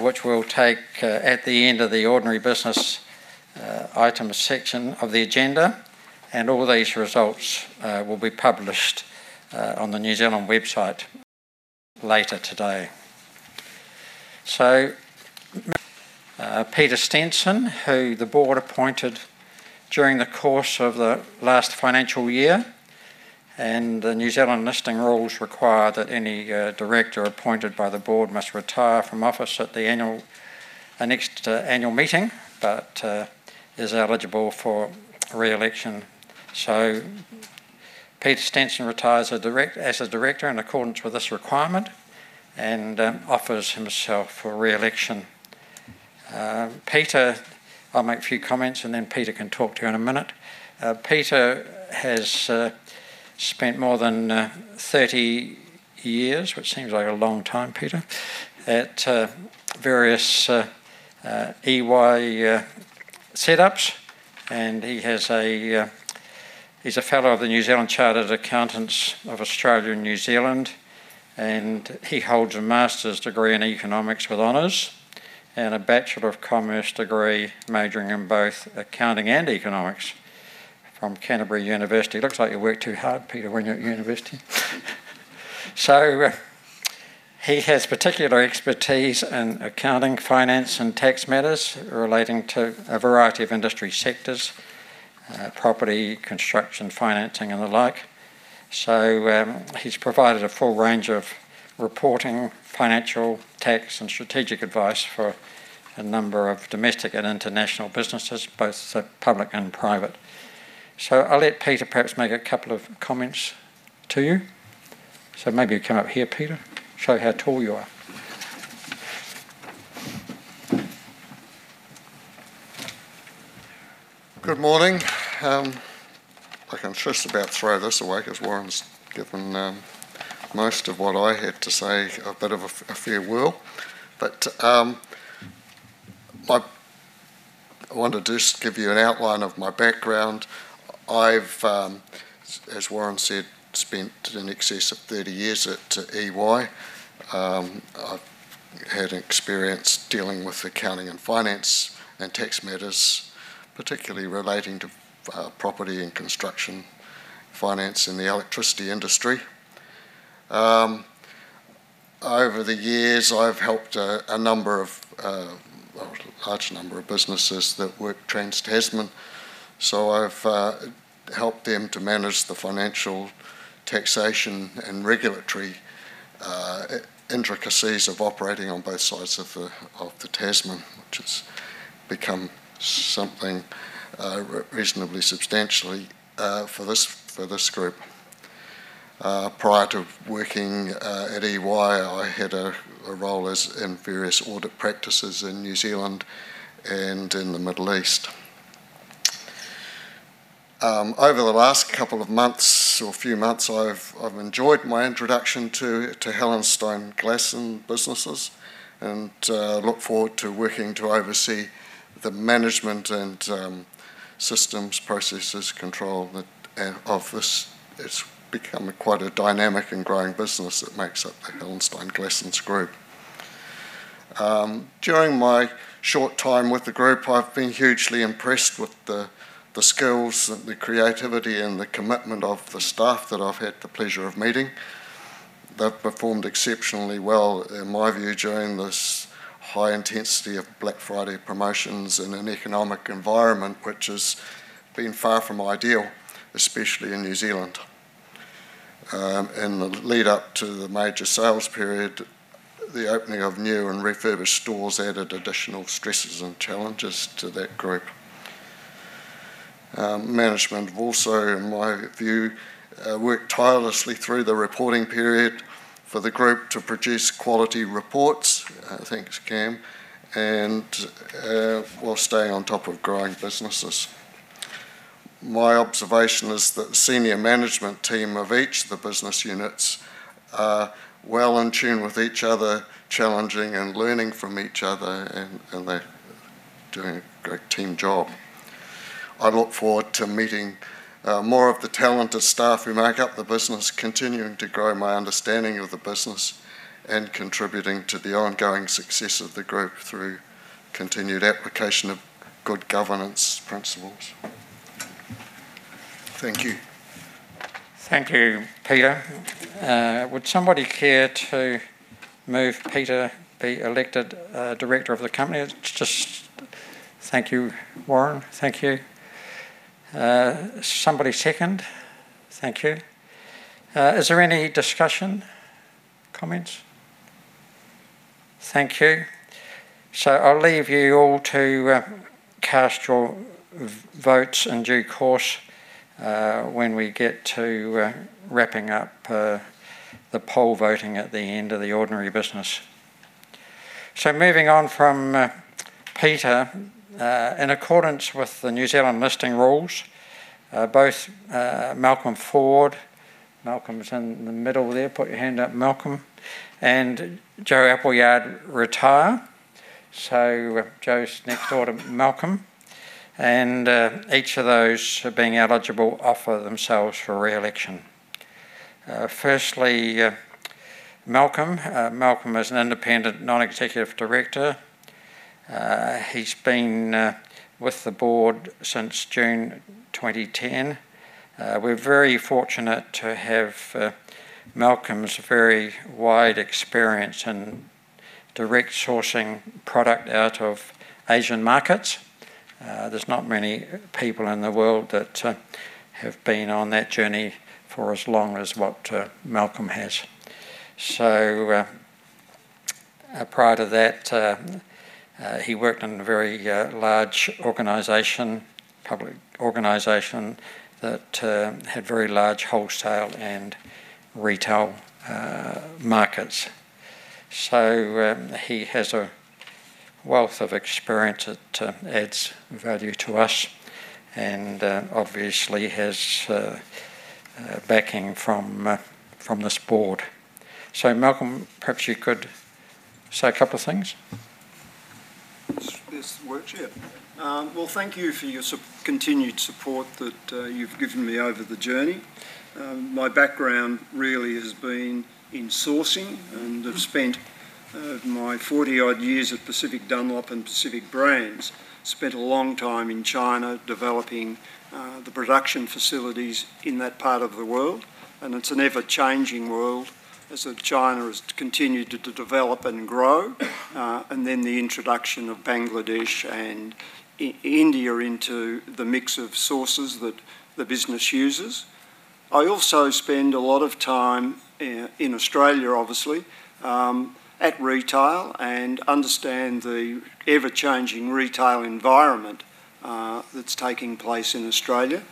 which will take at the end of the ordinary business item section of the agenda, and all these results will be published on the New Zealand website later today, so Peter Steenson, who the board appointed during the course of the last financial year, and the New Zealand listing rules require that any director appointed by the board must retire from office at the next annual meeting, but is eligible for re-election, so Peter Steenson retires as a director in accordance with this requirement and offers himself for re-election. Peter, I'll make a few comments, and then Peter can talk to you in a minute. Peter has spent more than 30 years, which seems like a long time, Peter, at various EY setups. He's a fellow of the Chartered Accountants Australia and New Zealand. He holds a master's degree in economics with honors and a bachelor of commerce degree majoring in both accounting and economics from University of Canterbury. It looks like you worked too hard, Peter, when you were at university. He has particular expertise in accounting, finance, and tax matters relating to a variety of industry sectors, property, construction, financing, and the like. He's provided a full range of reporting, financial, tax, and strategic advice for a number of domestic and international businesses, both public and private. I'll let Peter perhaps make a couple of comments to you. So maybe you come up here, Peter, show how tall you are. Good morning. I can just about throw this away because Warren's given most of what I had to say a bit of a farewell. But I wanted to just give you an outline of my background. I've, as Warren said, spent in excess of 30 years at EY. I've had experience dealing with accounting and finance and tax matters, particularly relating to property and construction finance in the electricity industry. Over the years, I've helped a large number of businesses that work trans-Tasman. So I've helped them to manage the financial taxation and regulatory intricacies of operating on both sides of the Tasman, which has become something reasonably substantial for this group. Prior to working at EY, I had a role in various audit practices in New Zealand and in the Middle East. Over the last couple of months or a few months, I've enjoyed my introduction to Hallenstein Glasson businesses and look forward to working to oversee the management and systems, processes, control of this. It's become quite a dynamic and growing business that makes up the Hallenstein Glassons group. During my short time with the group, I've been hugely impressed with the skills and the creativity and the commitment of the staff that I've had the pleasure of meeting. They've performed exceptionally well, in my view, during this high intensity of Black Friday promotions in an economic environment which has been far from ideal, especially in New Zealand. In the lead-up to the major sales period, the opening of new and refurbished stores added additional stresses and challenges to that group. Management have also, in my view, worked tirelessly through the reporting period for the group to produce quality reports. Thanks, Cam, and we'll stay on top of growing businesses. My observation is that the senior management team of each of the business units are well in tune with each other, challenging and learning from each other, and they're doing a great team job. I look forward to meeting more of the talented staff who make up the business, continuing to grow my understanding of the business and contributing to the ongoing success of the group through continued application of good governance principles. Thank you. Thank you, Peter. Would somebody care to move Peter to be elected director of the company? Just thank you, Warren. Thank you. Somebody second? Thank you. Is there any discussion? Comments? Thank you. So I'll leave you all to cast your votes in due course when we get to wrapping up the poll voting at the end of the ordinary business. So moving on from Peter, in accordance with the New Zealand listing rules, both Malcolm Ford, Malcolm's in the middle there, put your hand up, Malcolm, and Jo Appleyard retire. So Jo's next door to Malcolm. And each of those being eligible offer themselves for re-election. Firstly, Malcolm. Malcolm is an independent non-executive director. He's been with the board since June 2010. We're very fortunate to have Malcolm's very wide experience in direct sourcing product out of Asian markets. There's not many people in the world that have been on that journey for as long as what Malcolm has. So prior to that, he worked in a very large public organization that had very large wholesale and retail markets. So he has a wealth of experience that adds value to us and obviously has backing from this board. So Malcolm, perhaps you could say a couple of things. This workshop. Thank you for your continued support that you've given me over the journey. My background really has been in sourcing, and I've spent my 40-odd years at Pacific Dunlop and Pacific Brands, spent a long time in China developing the production facilities in that part of the world. It's an ever-changing world as China has continued to develop and grow, and then the introduction of Bangladesh and India into the mix of sources that the business uses. I also spend a lot of time in Australia, obviously, at retail and understand the ever-changing retail environment that's taking place in Australia.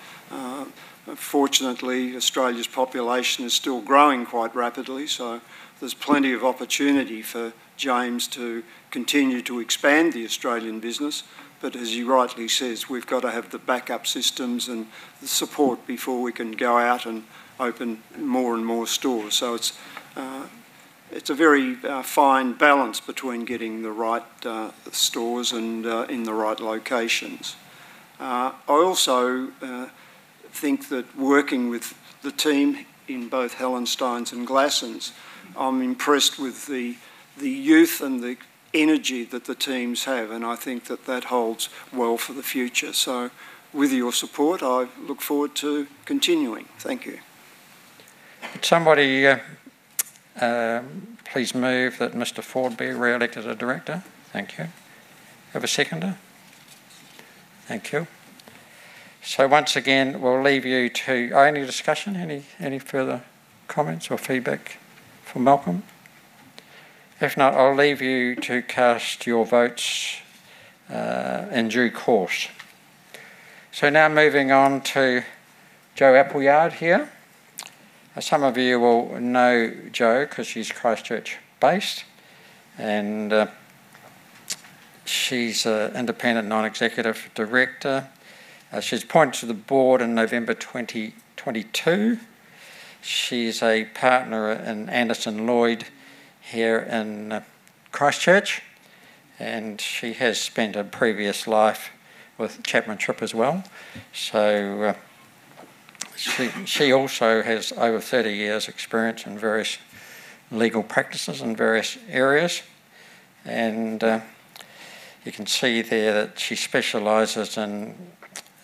Fortunately, Australia's population is still growing quite rapidly, so there's plenty of opportunity for James to continue to expand the Australian business. As he rightly says, we've got to have the backup systems and the support before we can go out and open more and more stores. So it's a very fine balance between getting the right stores and in the right locations. I also think that working with the team in both Hallensteins and Glassons, I'm impressed with the youth and the energy that the teams have, and I think that that holds well for the future. So with your support, I look forward to continuing. Thank you. Would somebody please move that Mr. Ford be re-elected as a director? Thank you. Have a seconder? Thank you. So once again, we'll leave you to open discussion. Any further comments or feedback for Malcolm? If not, I'll leave you to cast your votes in due course. So now moving on to Jo Appleyard here. Some of you will know Jo because she's Christchurch-based, and she's an independent non-executive director. She's appointed to the board in November 2022. She's a partner in Anderson Lloyd here in Christchurch, and she has spent a previous life with Chapman Tripp as well. So she also has over 30 years' experience in various legal practices in various areas. And you can see there that she specializes in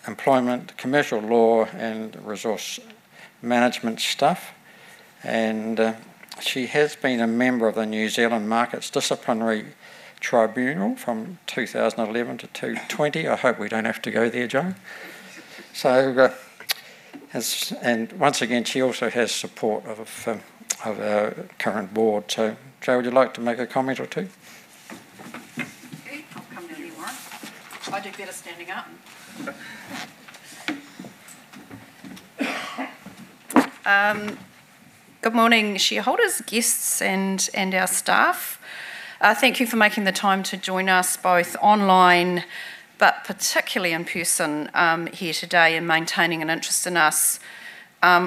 employment, commercial law, and resource management stuff. And she has been a member of the New Zealand Markets Disciplinary Tribunal from 2011 to 2020. I hope we don't have to go there, Jo. And once again, she also has support of our current board. So Jo, would you like to make a comment or two? I'll come down here, Warren. I do better standing up. Good morning, shareholders, guests, and our staff. Thank you for making the time to join us both online, but particularly in person here today and maintaining an interest in us.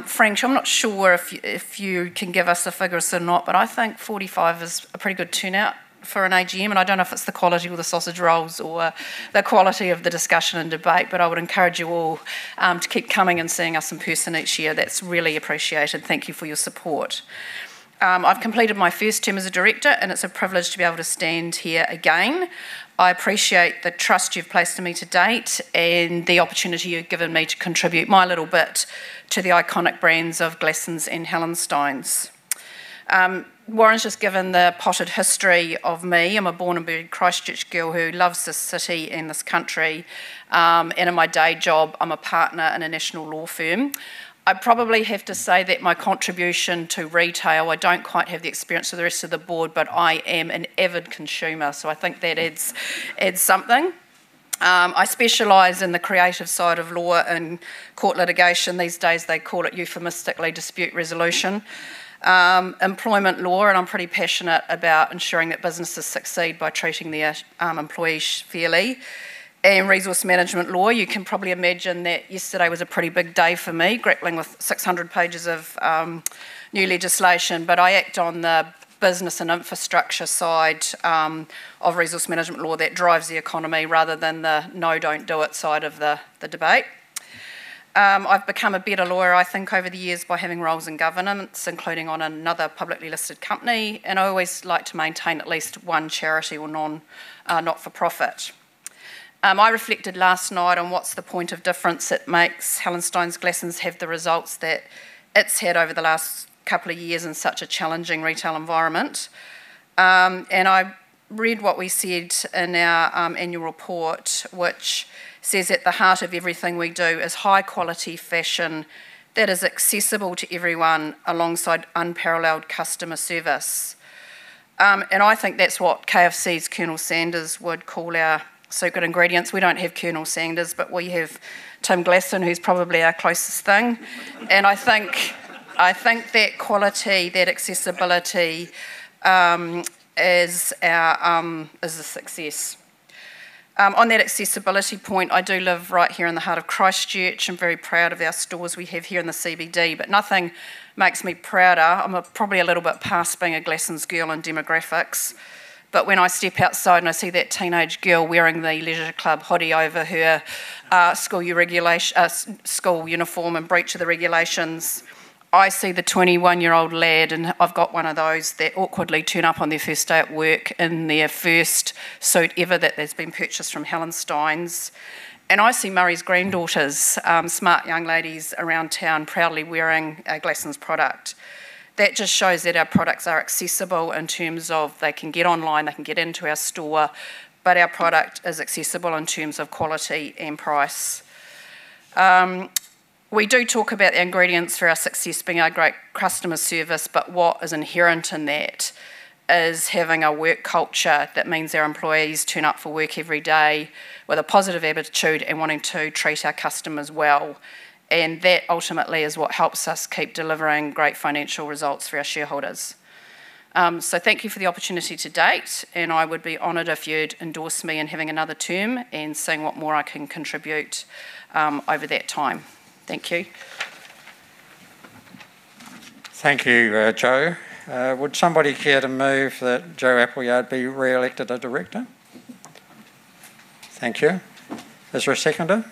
Frank, I'm not sure if you can give us a figure or not, but I think 45 is a pretty good turnout for an AGM. And I don't know if it's the quality of the sausage rolls or the quality of the discussion and debate, but I would encourage you all to keep coming and seeing us in person each year. That's really appreciated. Thank you for your support. I've completed my first term as a director, and it's a privilege to be able to stand here again. I appreciate the trust you've placed in me to date and the opportunity you've given me to contribute my little bit to the iconic brands of Glassons and Hallensteins. Warren's just given the potted history of me. I'm a born-and-bred Christchurch girl who loves this city and this country. And in my day job, I'm a partner in a national law firm. I probably have to say that my contribution to retail, I don't quite have the experience of the rest of the board, but I am an avid consumer, so I think that adds something. I specialize in the creative side of law and court litigation. These days, they call it euphemistically dispute resolution, employment law, and I'm pretty passionate about ensuring that businesses succeed by treating their employees fairly, and resource management law. You can probably imagine that yesterday was a pretty big day for me, grappling with 600 pages of new legislation. But I act on the business and infrastructure side of resource management law that drives the economy rather than the no-don't-do it side of the debate. I've become a better lawyer, I think, over the years by having roles in governance, including on another publicly listed company. I always like to maintain at least one charity or not-for-profit. I reflected last night on what's the point of difference it makes Hallensteins Glassons have the results that it's had over the last couple of years in such a challenging retail environment. I read what we said in our annual report, which says at the heart of everything we do is high-quality fashion that is accessible to everyone alongside unparalleled customer service. I think that's what KFC's Colonel Sanders would call our secret ingredients. We don't have Colonel Sanders, but we have Tim Glasson, who's probably our closest thing. I think that quality, that accessibility is a success. On that accessibility point, I do live right here in the heart of Christchurch. I'm very proud of our stores we have here in the CBD, but nothing makes me prouder. I'm probably a little bit past being a Glassons girl in demographics. But when I step outside and I see that teenage girl wearing the Leisure Club hoodie over her school uniform and breach of the regulations, I see the 21-year-old lad, and I've got one of those that awkwardly turn up on their first day at work in their first suit ever that they've been purchased from Hallensteins. And I see Murray's granddaughters, smart young ladies around town proudly wearing Glassons product. That just shows that our products are accessible in terms of they can get online, they can get into our store, but our product is accessible in terms of quality and price. We do talk about the ingredients for our success being our great customer service, but what is inherent in that is having a work culture that means our employees turn up for work every day with a positive attitude and wanting to treat our customers well. And that ultimately is what helps us keep delivering great financial results for our shareholders. So thank you for the opportunity to date, and I would be honored if you'd endorse me in having another term and seeing what more I can contribute over that time. Thank you. Thank you, Jo. Would somebody care to move that Jo Appleyard be re-elected as director? Thank you. Is there a seconder?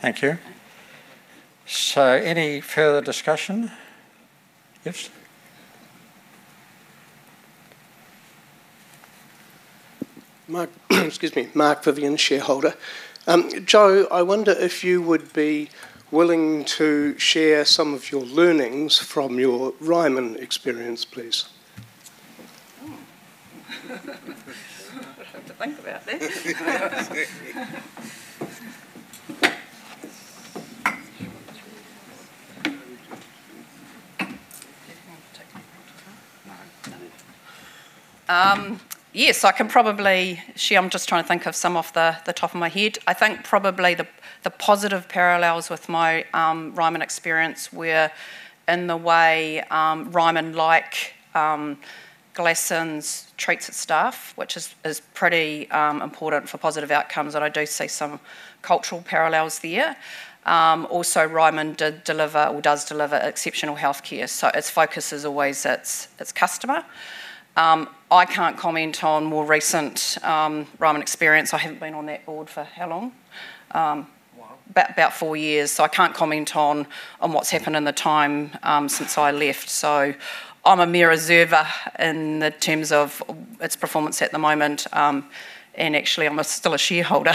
Thank you. So any further discussion? Yes. Excuse me, Mark Vivian, shareholder. Jo, I wonder if you would be willing to share some of your learnings from your Ryman experience, please. I'd have to think about that. Yes, I can probably share. I'm just trying to think of some off the top of my head. I think probably the positive parallels with my Ryman experience were in the way Ryman, like Glassons, treats its staff, which is pretty important for positive outcomes, and I do see some cultural parallels there. Also, Ryman did deliver or does deliver exceptional healthcare, so its focus is always its customer. I can't comment on more recent Ryman experience. I haven't been on that board for how long? About four years, so I can't comment on what's happened in the time since I left, so I'm a mere observer in terms of its performance at the moment, and actually I'm still a shareholder,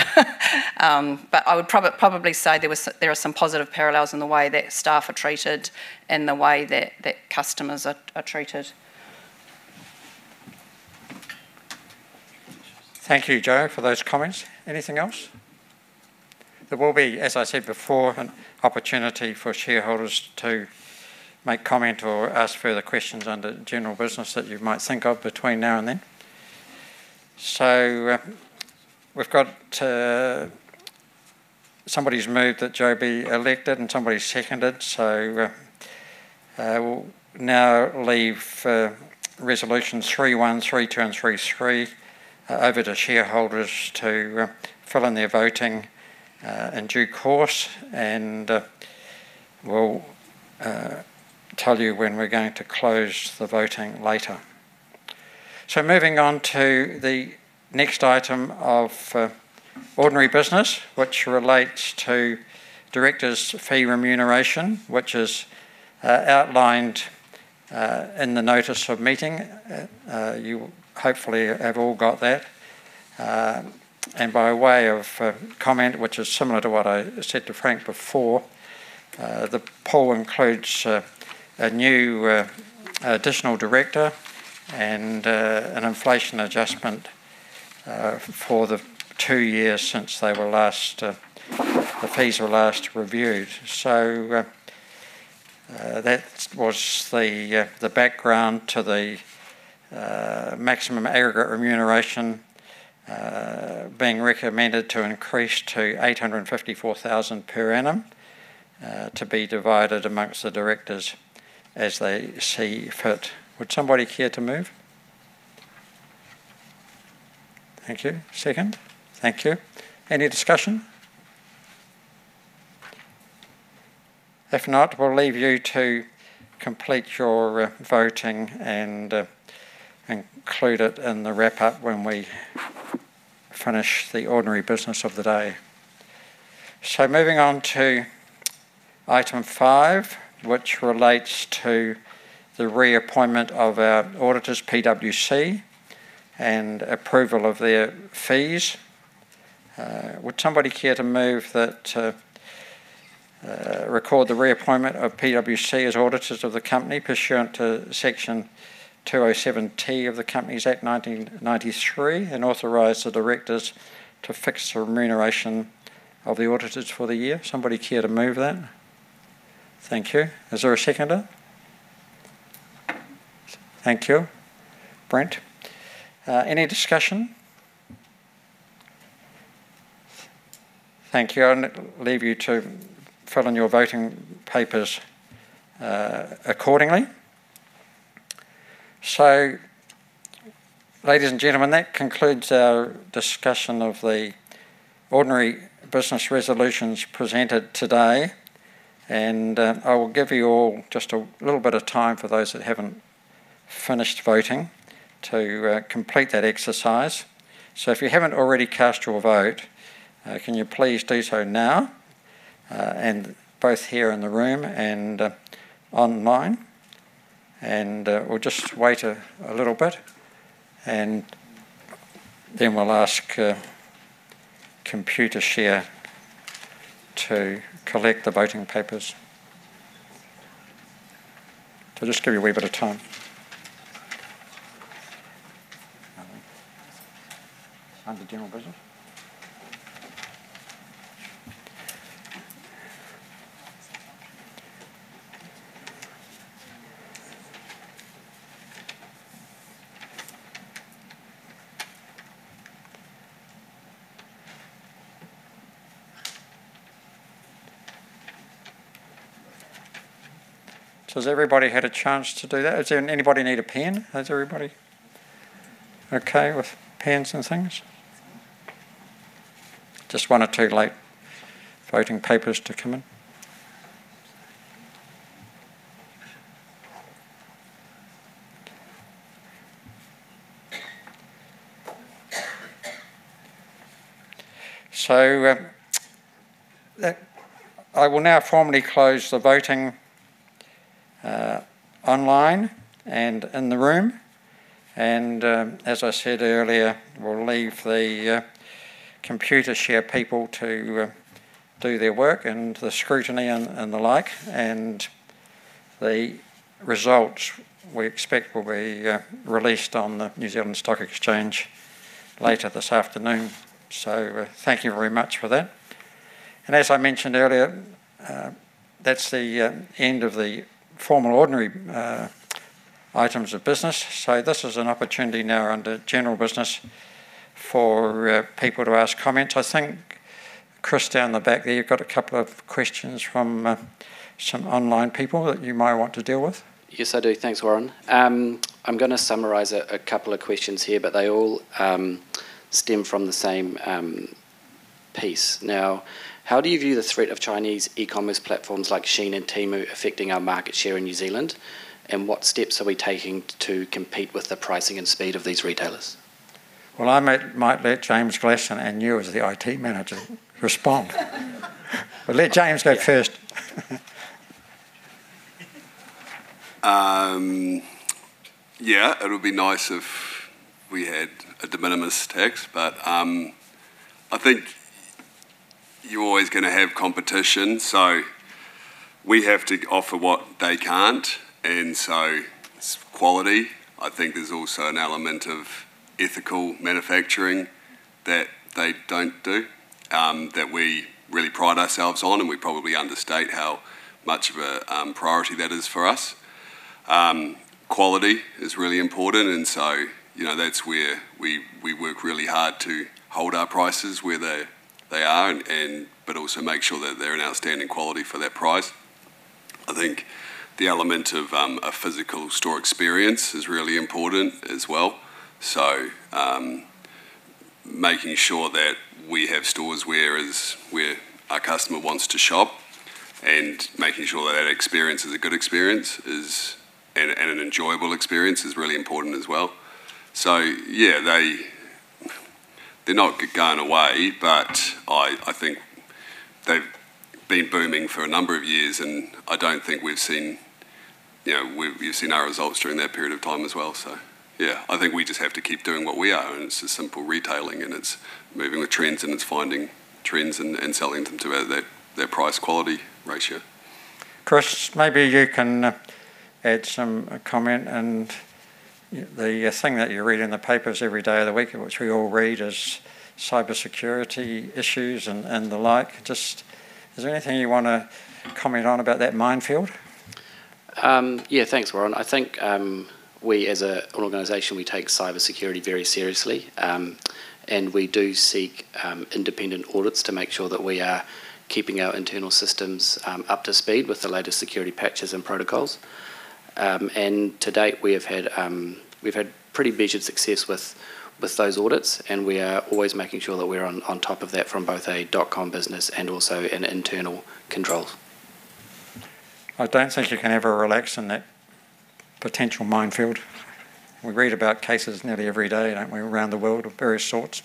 but I would probably say there are some positive parallels in the way that staff are treated and the way that customers are treated. Thank you, Jo, for those comments. Anything else? There will be, as I said before, an opportunity for shareholders to make comments or ask further questions under general business that you might think of between now and then. So we've got somebody's moved that Jo be elected, and somebody's seconded. So we'll now leave Resolutions 3, 2 and 3 over to shareholders to fill in their voting in due course, and we'll tell you when we're going to close the voting later. So moving on to the next item of ordinary business, which relates to directors' fee remuneration, which is outlined in the notice of meeting. You hopefully have all got that, and by way of comment, which is similar to what I said to Frank before, the poll includes a new additional director and an inflation adjustment for the two years since they were last, the fees were last reviewed. So that was the background to the maximum aggregate remuneration being recommended to increase to 854,000 per annum to be divided among the directors as they see fit. Would somebody care to move? Thank you. Second? Thank you. Any discussion? If not, we'll leave you to complete your voting and include it in the wrap-up when we finish the ordinary business of the day. So moving on to item five, which relates to the reappointment of our auditors, PwC, and approval of their fees. Would somebody care to move that record the reappointment of PwC as auditors of the company, pursuant to Section 207T of the Companies Act 1993, and authorize the directors to fix the remuneration of the auditors for the year? Somebody care to move that? Thank you. Is there a seconder? Thank you. Brent? Any discussion? Thank you. I'll leave you to fill in your voting papers accordingly. So, ladies and gentlemen, that concludes our discussion of the ordinary business resolutions presented today. And I will give you all just a little bit of time for those that haven't finished voting to complete that exercise. So if you haven't already cast your vote, can you please do so now, both here in the room and online? And we'll just wait a little bit, and then we'll ask Computershare to collect the voting papers. So just give you a wee bit of time. Under general business. So has everybody had a chance to do that? Does anybody need a pen? Has everybody okay with pens and things? Just one or two late voting papers to come in. So I will now formally close the voting online and in the room. And as I said earlier, we'll leave the Computershare people to do their work and the scrutineers and the like. And the results we expect will be released on the New Zealand Stock Exchange later this afternoon. So thank you very much for that. And as I mentioned earlier, that's the end of the formal ordinary items of business. So this is an opportunity now under general business for people to ask comments. I think, Chris, down the back there, you've got a couple of questions from some online people that you might want to deal with. Yes, I do. Thanks, Warren. I'm going to summarize a couple of questions here, but they all stem from the same piece. Now, how do you view the threat of Chinese e-commerce platforms like Shein and Temu affecting our market share in New Zealand? What steps are we taking to compete with the pricing and speed of these retailers? I might let James Glasson and you as the IT manager respond. Let James go first. Yeah, it would be nice if we had a de minimis tax, but I think you're always going to have competition. We have to offer what they can't. It's quality. I think there's also an element of ethical manufacturing that they don't do that we really pride ourselves on. We probably understate how much of a priority that is for us. Quality is really important. That's where we work really hard to hold our prices where they are, but also make sure that they're in outstanding quality for that price. I think the element of a physical store experience is really important as well. So making sure that we have stores where our customer wants to shop and making sure that that experience is a good experience and an enjoyable experience is really important as well. So yeah, they're not going away, but I think they've been booming for a number of years, and I don't think we've seen our results during that period of time as well. So yeah, I think we just have to keep doing what we are. And it's simple retailing, and it's moving with trends, and it's finding trends and selling them to their price-quality ratio. Chris, maybe you can add some comment. And the thing that you read in the papers every day of the week, which we all read, is cybersecurity issues and the like. Is there anything you want to comment on about that minefield? Yeah, thanks, Warren. I think we, as an organization, we take cybersecurity very seriously. And we do seek independent audits to make sure that we are keeping our internal systems up to speed with the latest security patches and protocols. And to date, we have had pretty measured success with those audits, and we are always making sure that we're on top of that from both a dot-com business and also an internal control. I don't think you can ever relax in that potential minefield. We read about cases nearly every day, don't we, around the world of various sorts.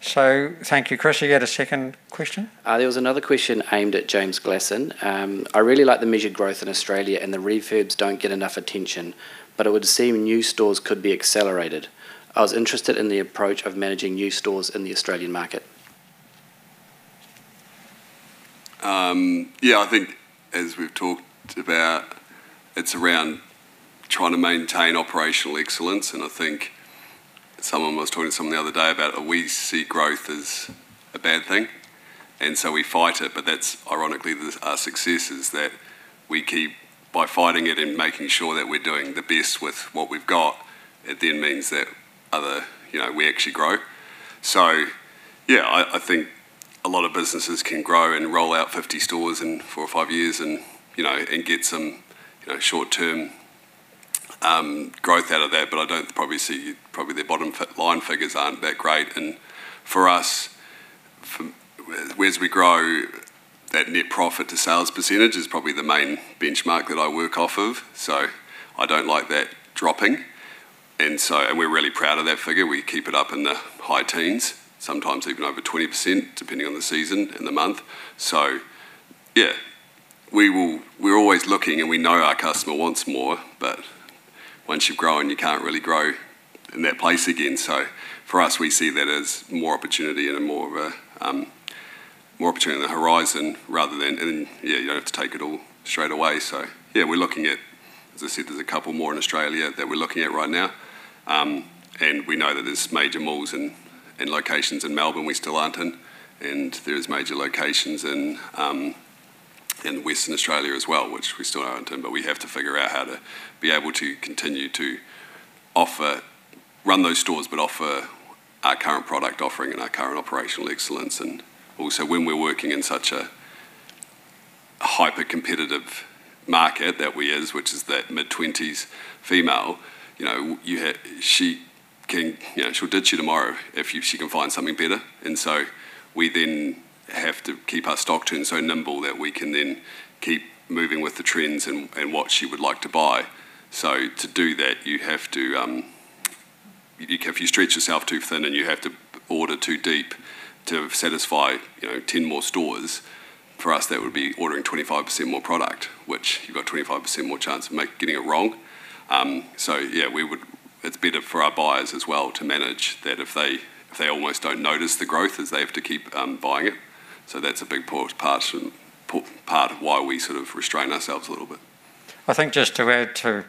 So thank you, Chris. You had a second question? There was another question aimed at James Glasson. I really like the measured growth in Australia, and the refurbs don't get enough attention, but it would seem new stores could be accelerated. I was interested in the approach of managing new stores in the Australian market. Yeah, I think, as we've talked about, it's around trying to maintain operational excellence. And I think someone was talking to someone the other day about we see growth as a bad thing. And so we fight it, but that's ironically our success is that we keep by fighting it and making sure that we're doing the best with what we've got, it then means that we actually grow. So yeah, I think a lot of businesses can grow and roll out 50 stores in four or five years and get some short-term growth out of that. But I don't probably see their bottom line figures aren't that great. And for us, as we grow, that net profit to sales percentage is probably the main benchmark that I work off of. So I don't like that dropping. And we're really proud of that figure. We keep it up in the high teens, sometimes even over 20%, depending on the season and the month. So yeah, we're always looking, and we know our customer wants more, but once you've grown, you can't really grow in that place again. So for us, we see that as more opportunity and more opportunity on the horizon rather than yeah, you don't have to take it all straight away. So yeah, we're looking at, as I said, there's a couple more in Australia that we're looking at right now. And we know that there's major malls and locations in Melbourne we still aren't in. There are major locations in Western Australia as well, which we still aren't in, but we have to figure out how to be able to continue to run those stores, but offer our current product offering and our current operational excellence. And also, when we're working in such a hyper-competitive market that we are, which is that mid-20s female, she'll ditch you tomorrow if she can find something better. And so we then have to keep our stock turned so nimble that we can then keep moving with the trends and what she would like to buy. So to do that, you have to if you stretch yourself too thin and you have to order too deep to satisfy 10 more stores, for us, that would be ordering 25% more product, which you've got 25% more chance of getting it wrong. So yeah, it's better for our buyers as well to manage that if they almost don't notice the growth as they have to keep buying it. So that's a big part of why we sort of restrain ourselves a little bit. I think just to add to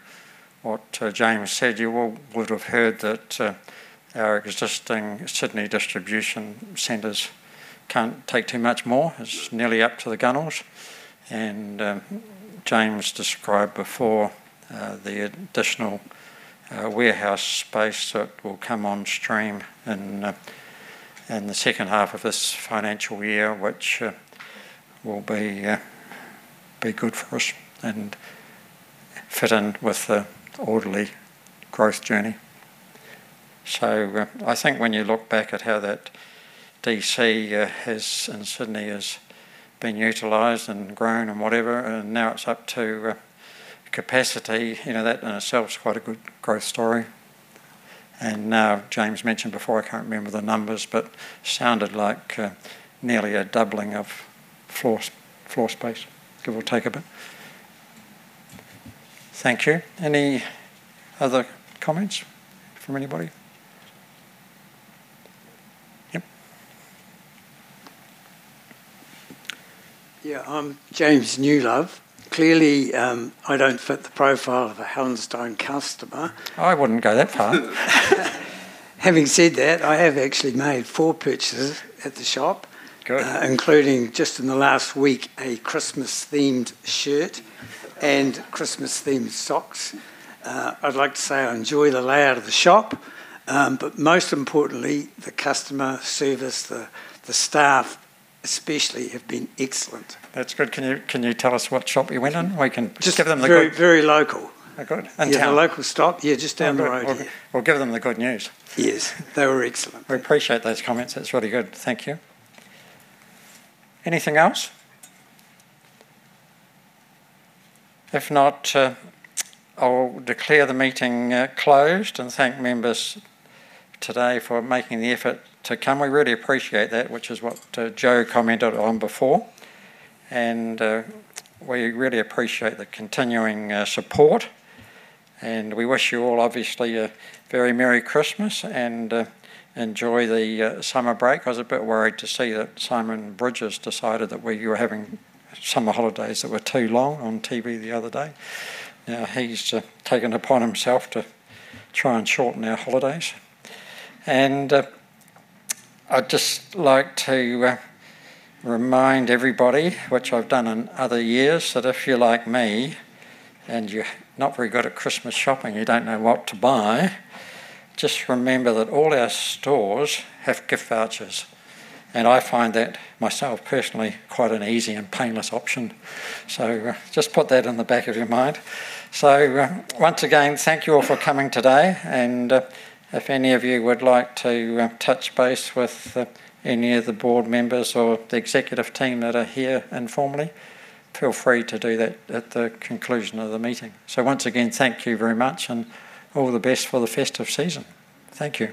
what James said, you all would have heard that our existing Sydney distribution centers can't take too much more. It's nearly up to the gunnels. And James described before the additional warehouse space that will come on stream in the second half of this financial year, which will be good for us and fit in with the orderly growth journey. So I think when you look back at how that DC has in Sydney has been utilized and grown and whatever, and now it's up to capacity, that in itself is quite a good growth story. And now, James mentioned before, I can't remember the numbers, but it sounded like nearly a doubling of floor space, give or take a bit. Thank you. Any other comments from anybody? Yep. Yeah, I'm James Newlove. Clearly, I don't fit the profile of a Hallensteins customer. I wouldn't go that far. Having said that, I have actually made four purchases at the shop, including just in the last week, a Christmas-themed shirt and Christmas-themed socks. I'd like to say I enjoy the layout of the shop, but most importantly, the customer service, the staff especially, have been excellent. That's good. Can you tell us what shop you went in? We can just give them the good. Just very local. Okay. And to the local shop, yeah, just down the road. We'll give them the good news. Yes, they were excellent. We appreciate those comments. That's really good. Thank you. Anything else? If not, I'll declare the meeting closed and thank members today for making the effort to come. We really appreciate that, which is what Jo commented on before. And we really appreciate the continuing support. And we wish you all, obviously, a very Merry Christmas and enjoy the summer break. I was a bit worried to see that Simon Bridges decided that we were having summer holidays that were too long on TV the other day. Now, he's taken it upon himself to try and shorten our holidays. And I'd just like to remind everybody, which I've done in other years, that if you're like me and you're not very good at Christmas shopping and you don't know what to buy, just remember that all our stores have gift vouchers. And I find that myself personally quite an easy and painless option. So just put that in the back of your mind. So once again, thank you all for coming today. And if any of you would like to touch base with any of the board members or the executive team that are here informally, feel free to do that at the conclusion of the meeting. So once again, thank you very much and all the best for the festive season. Thank you.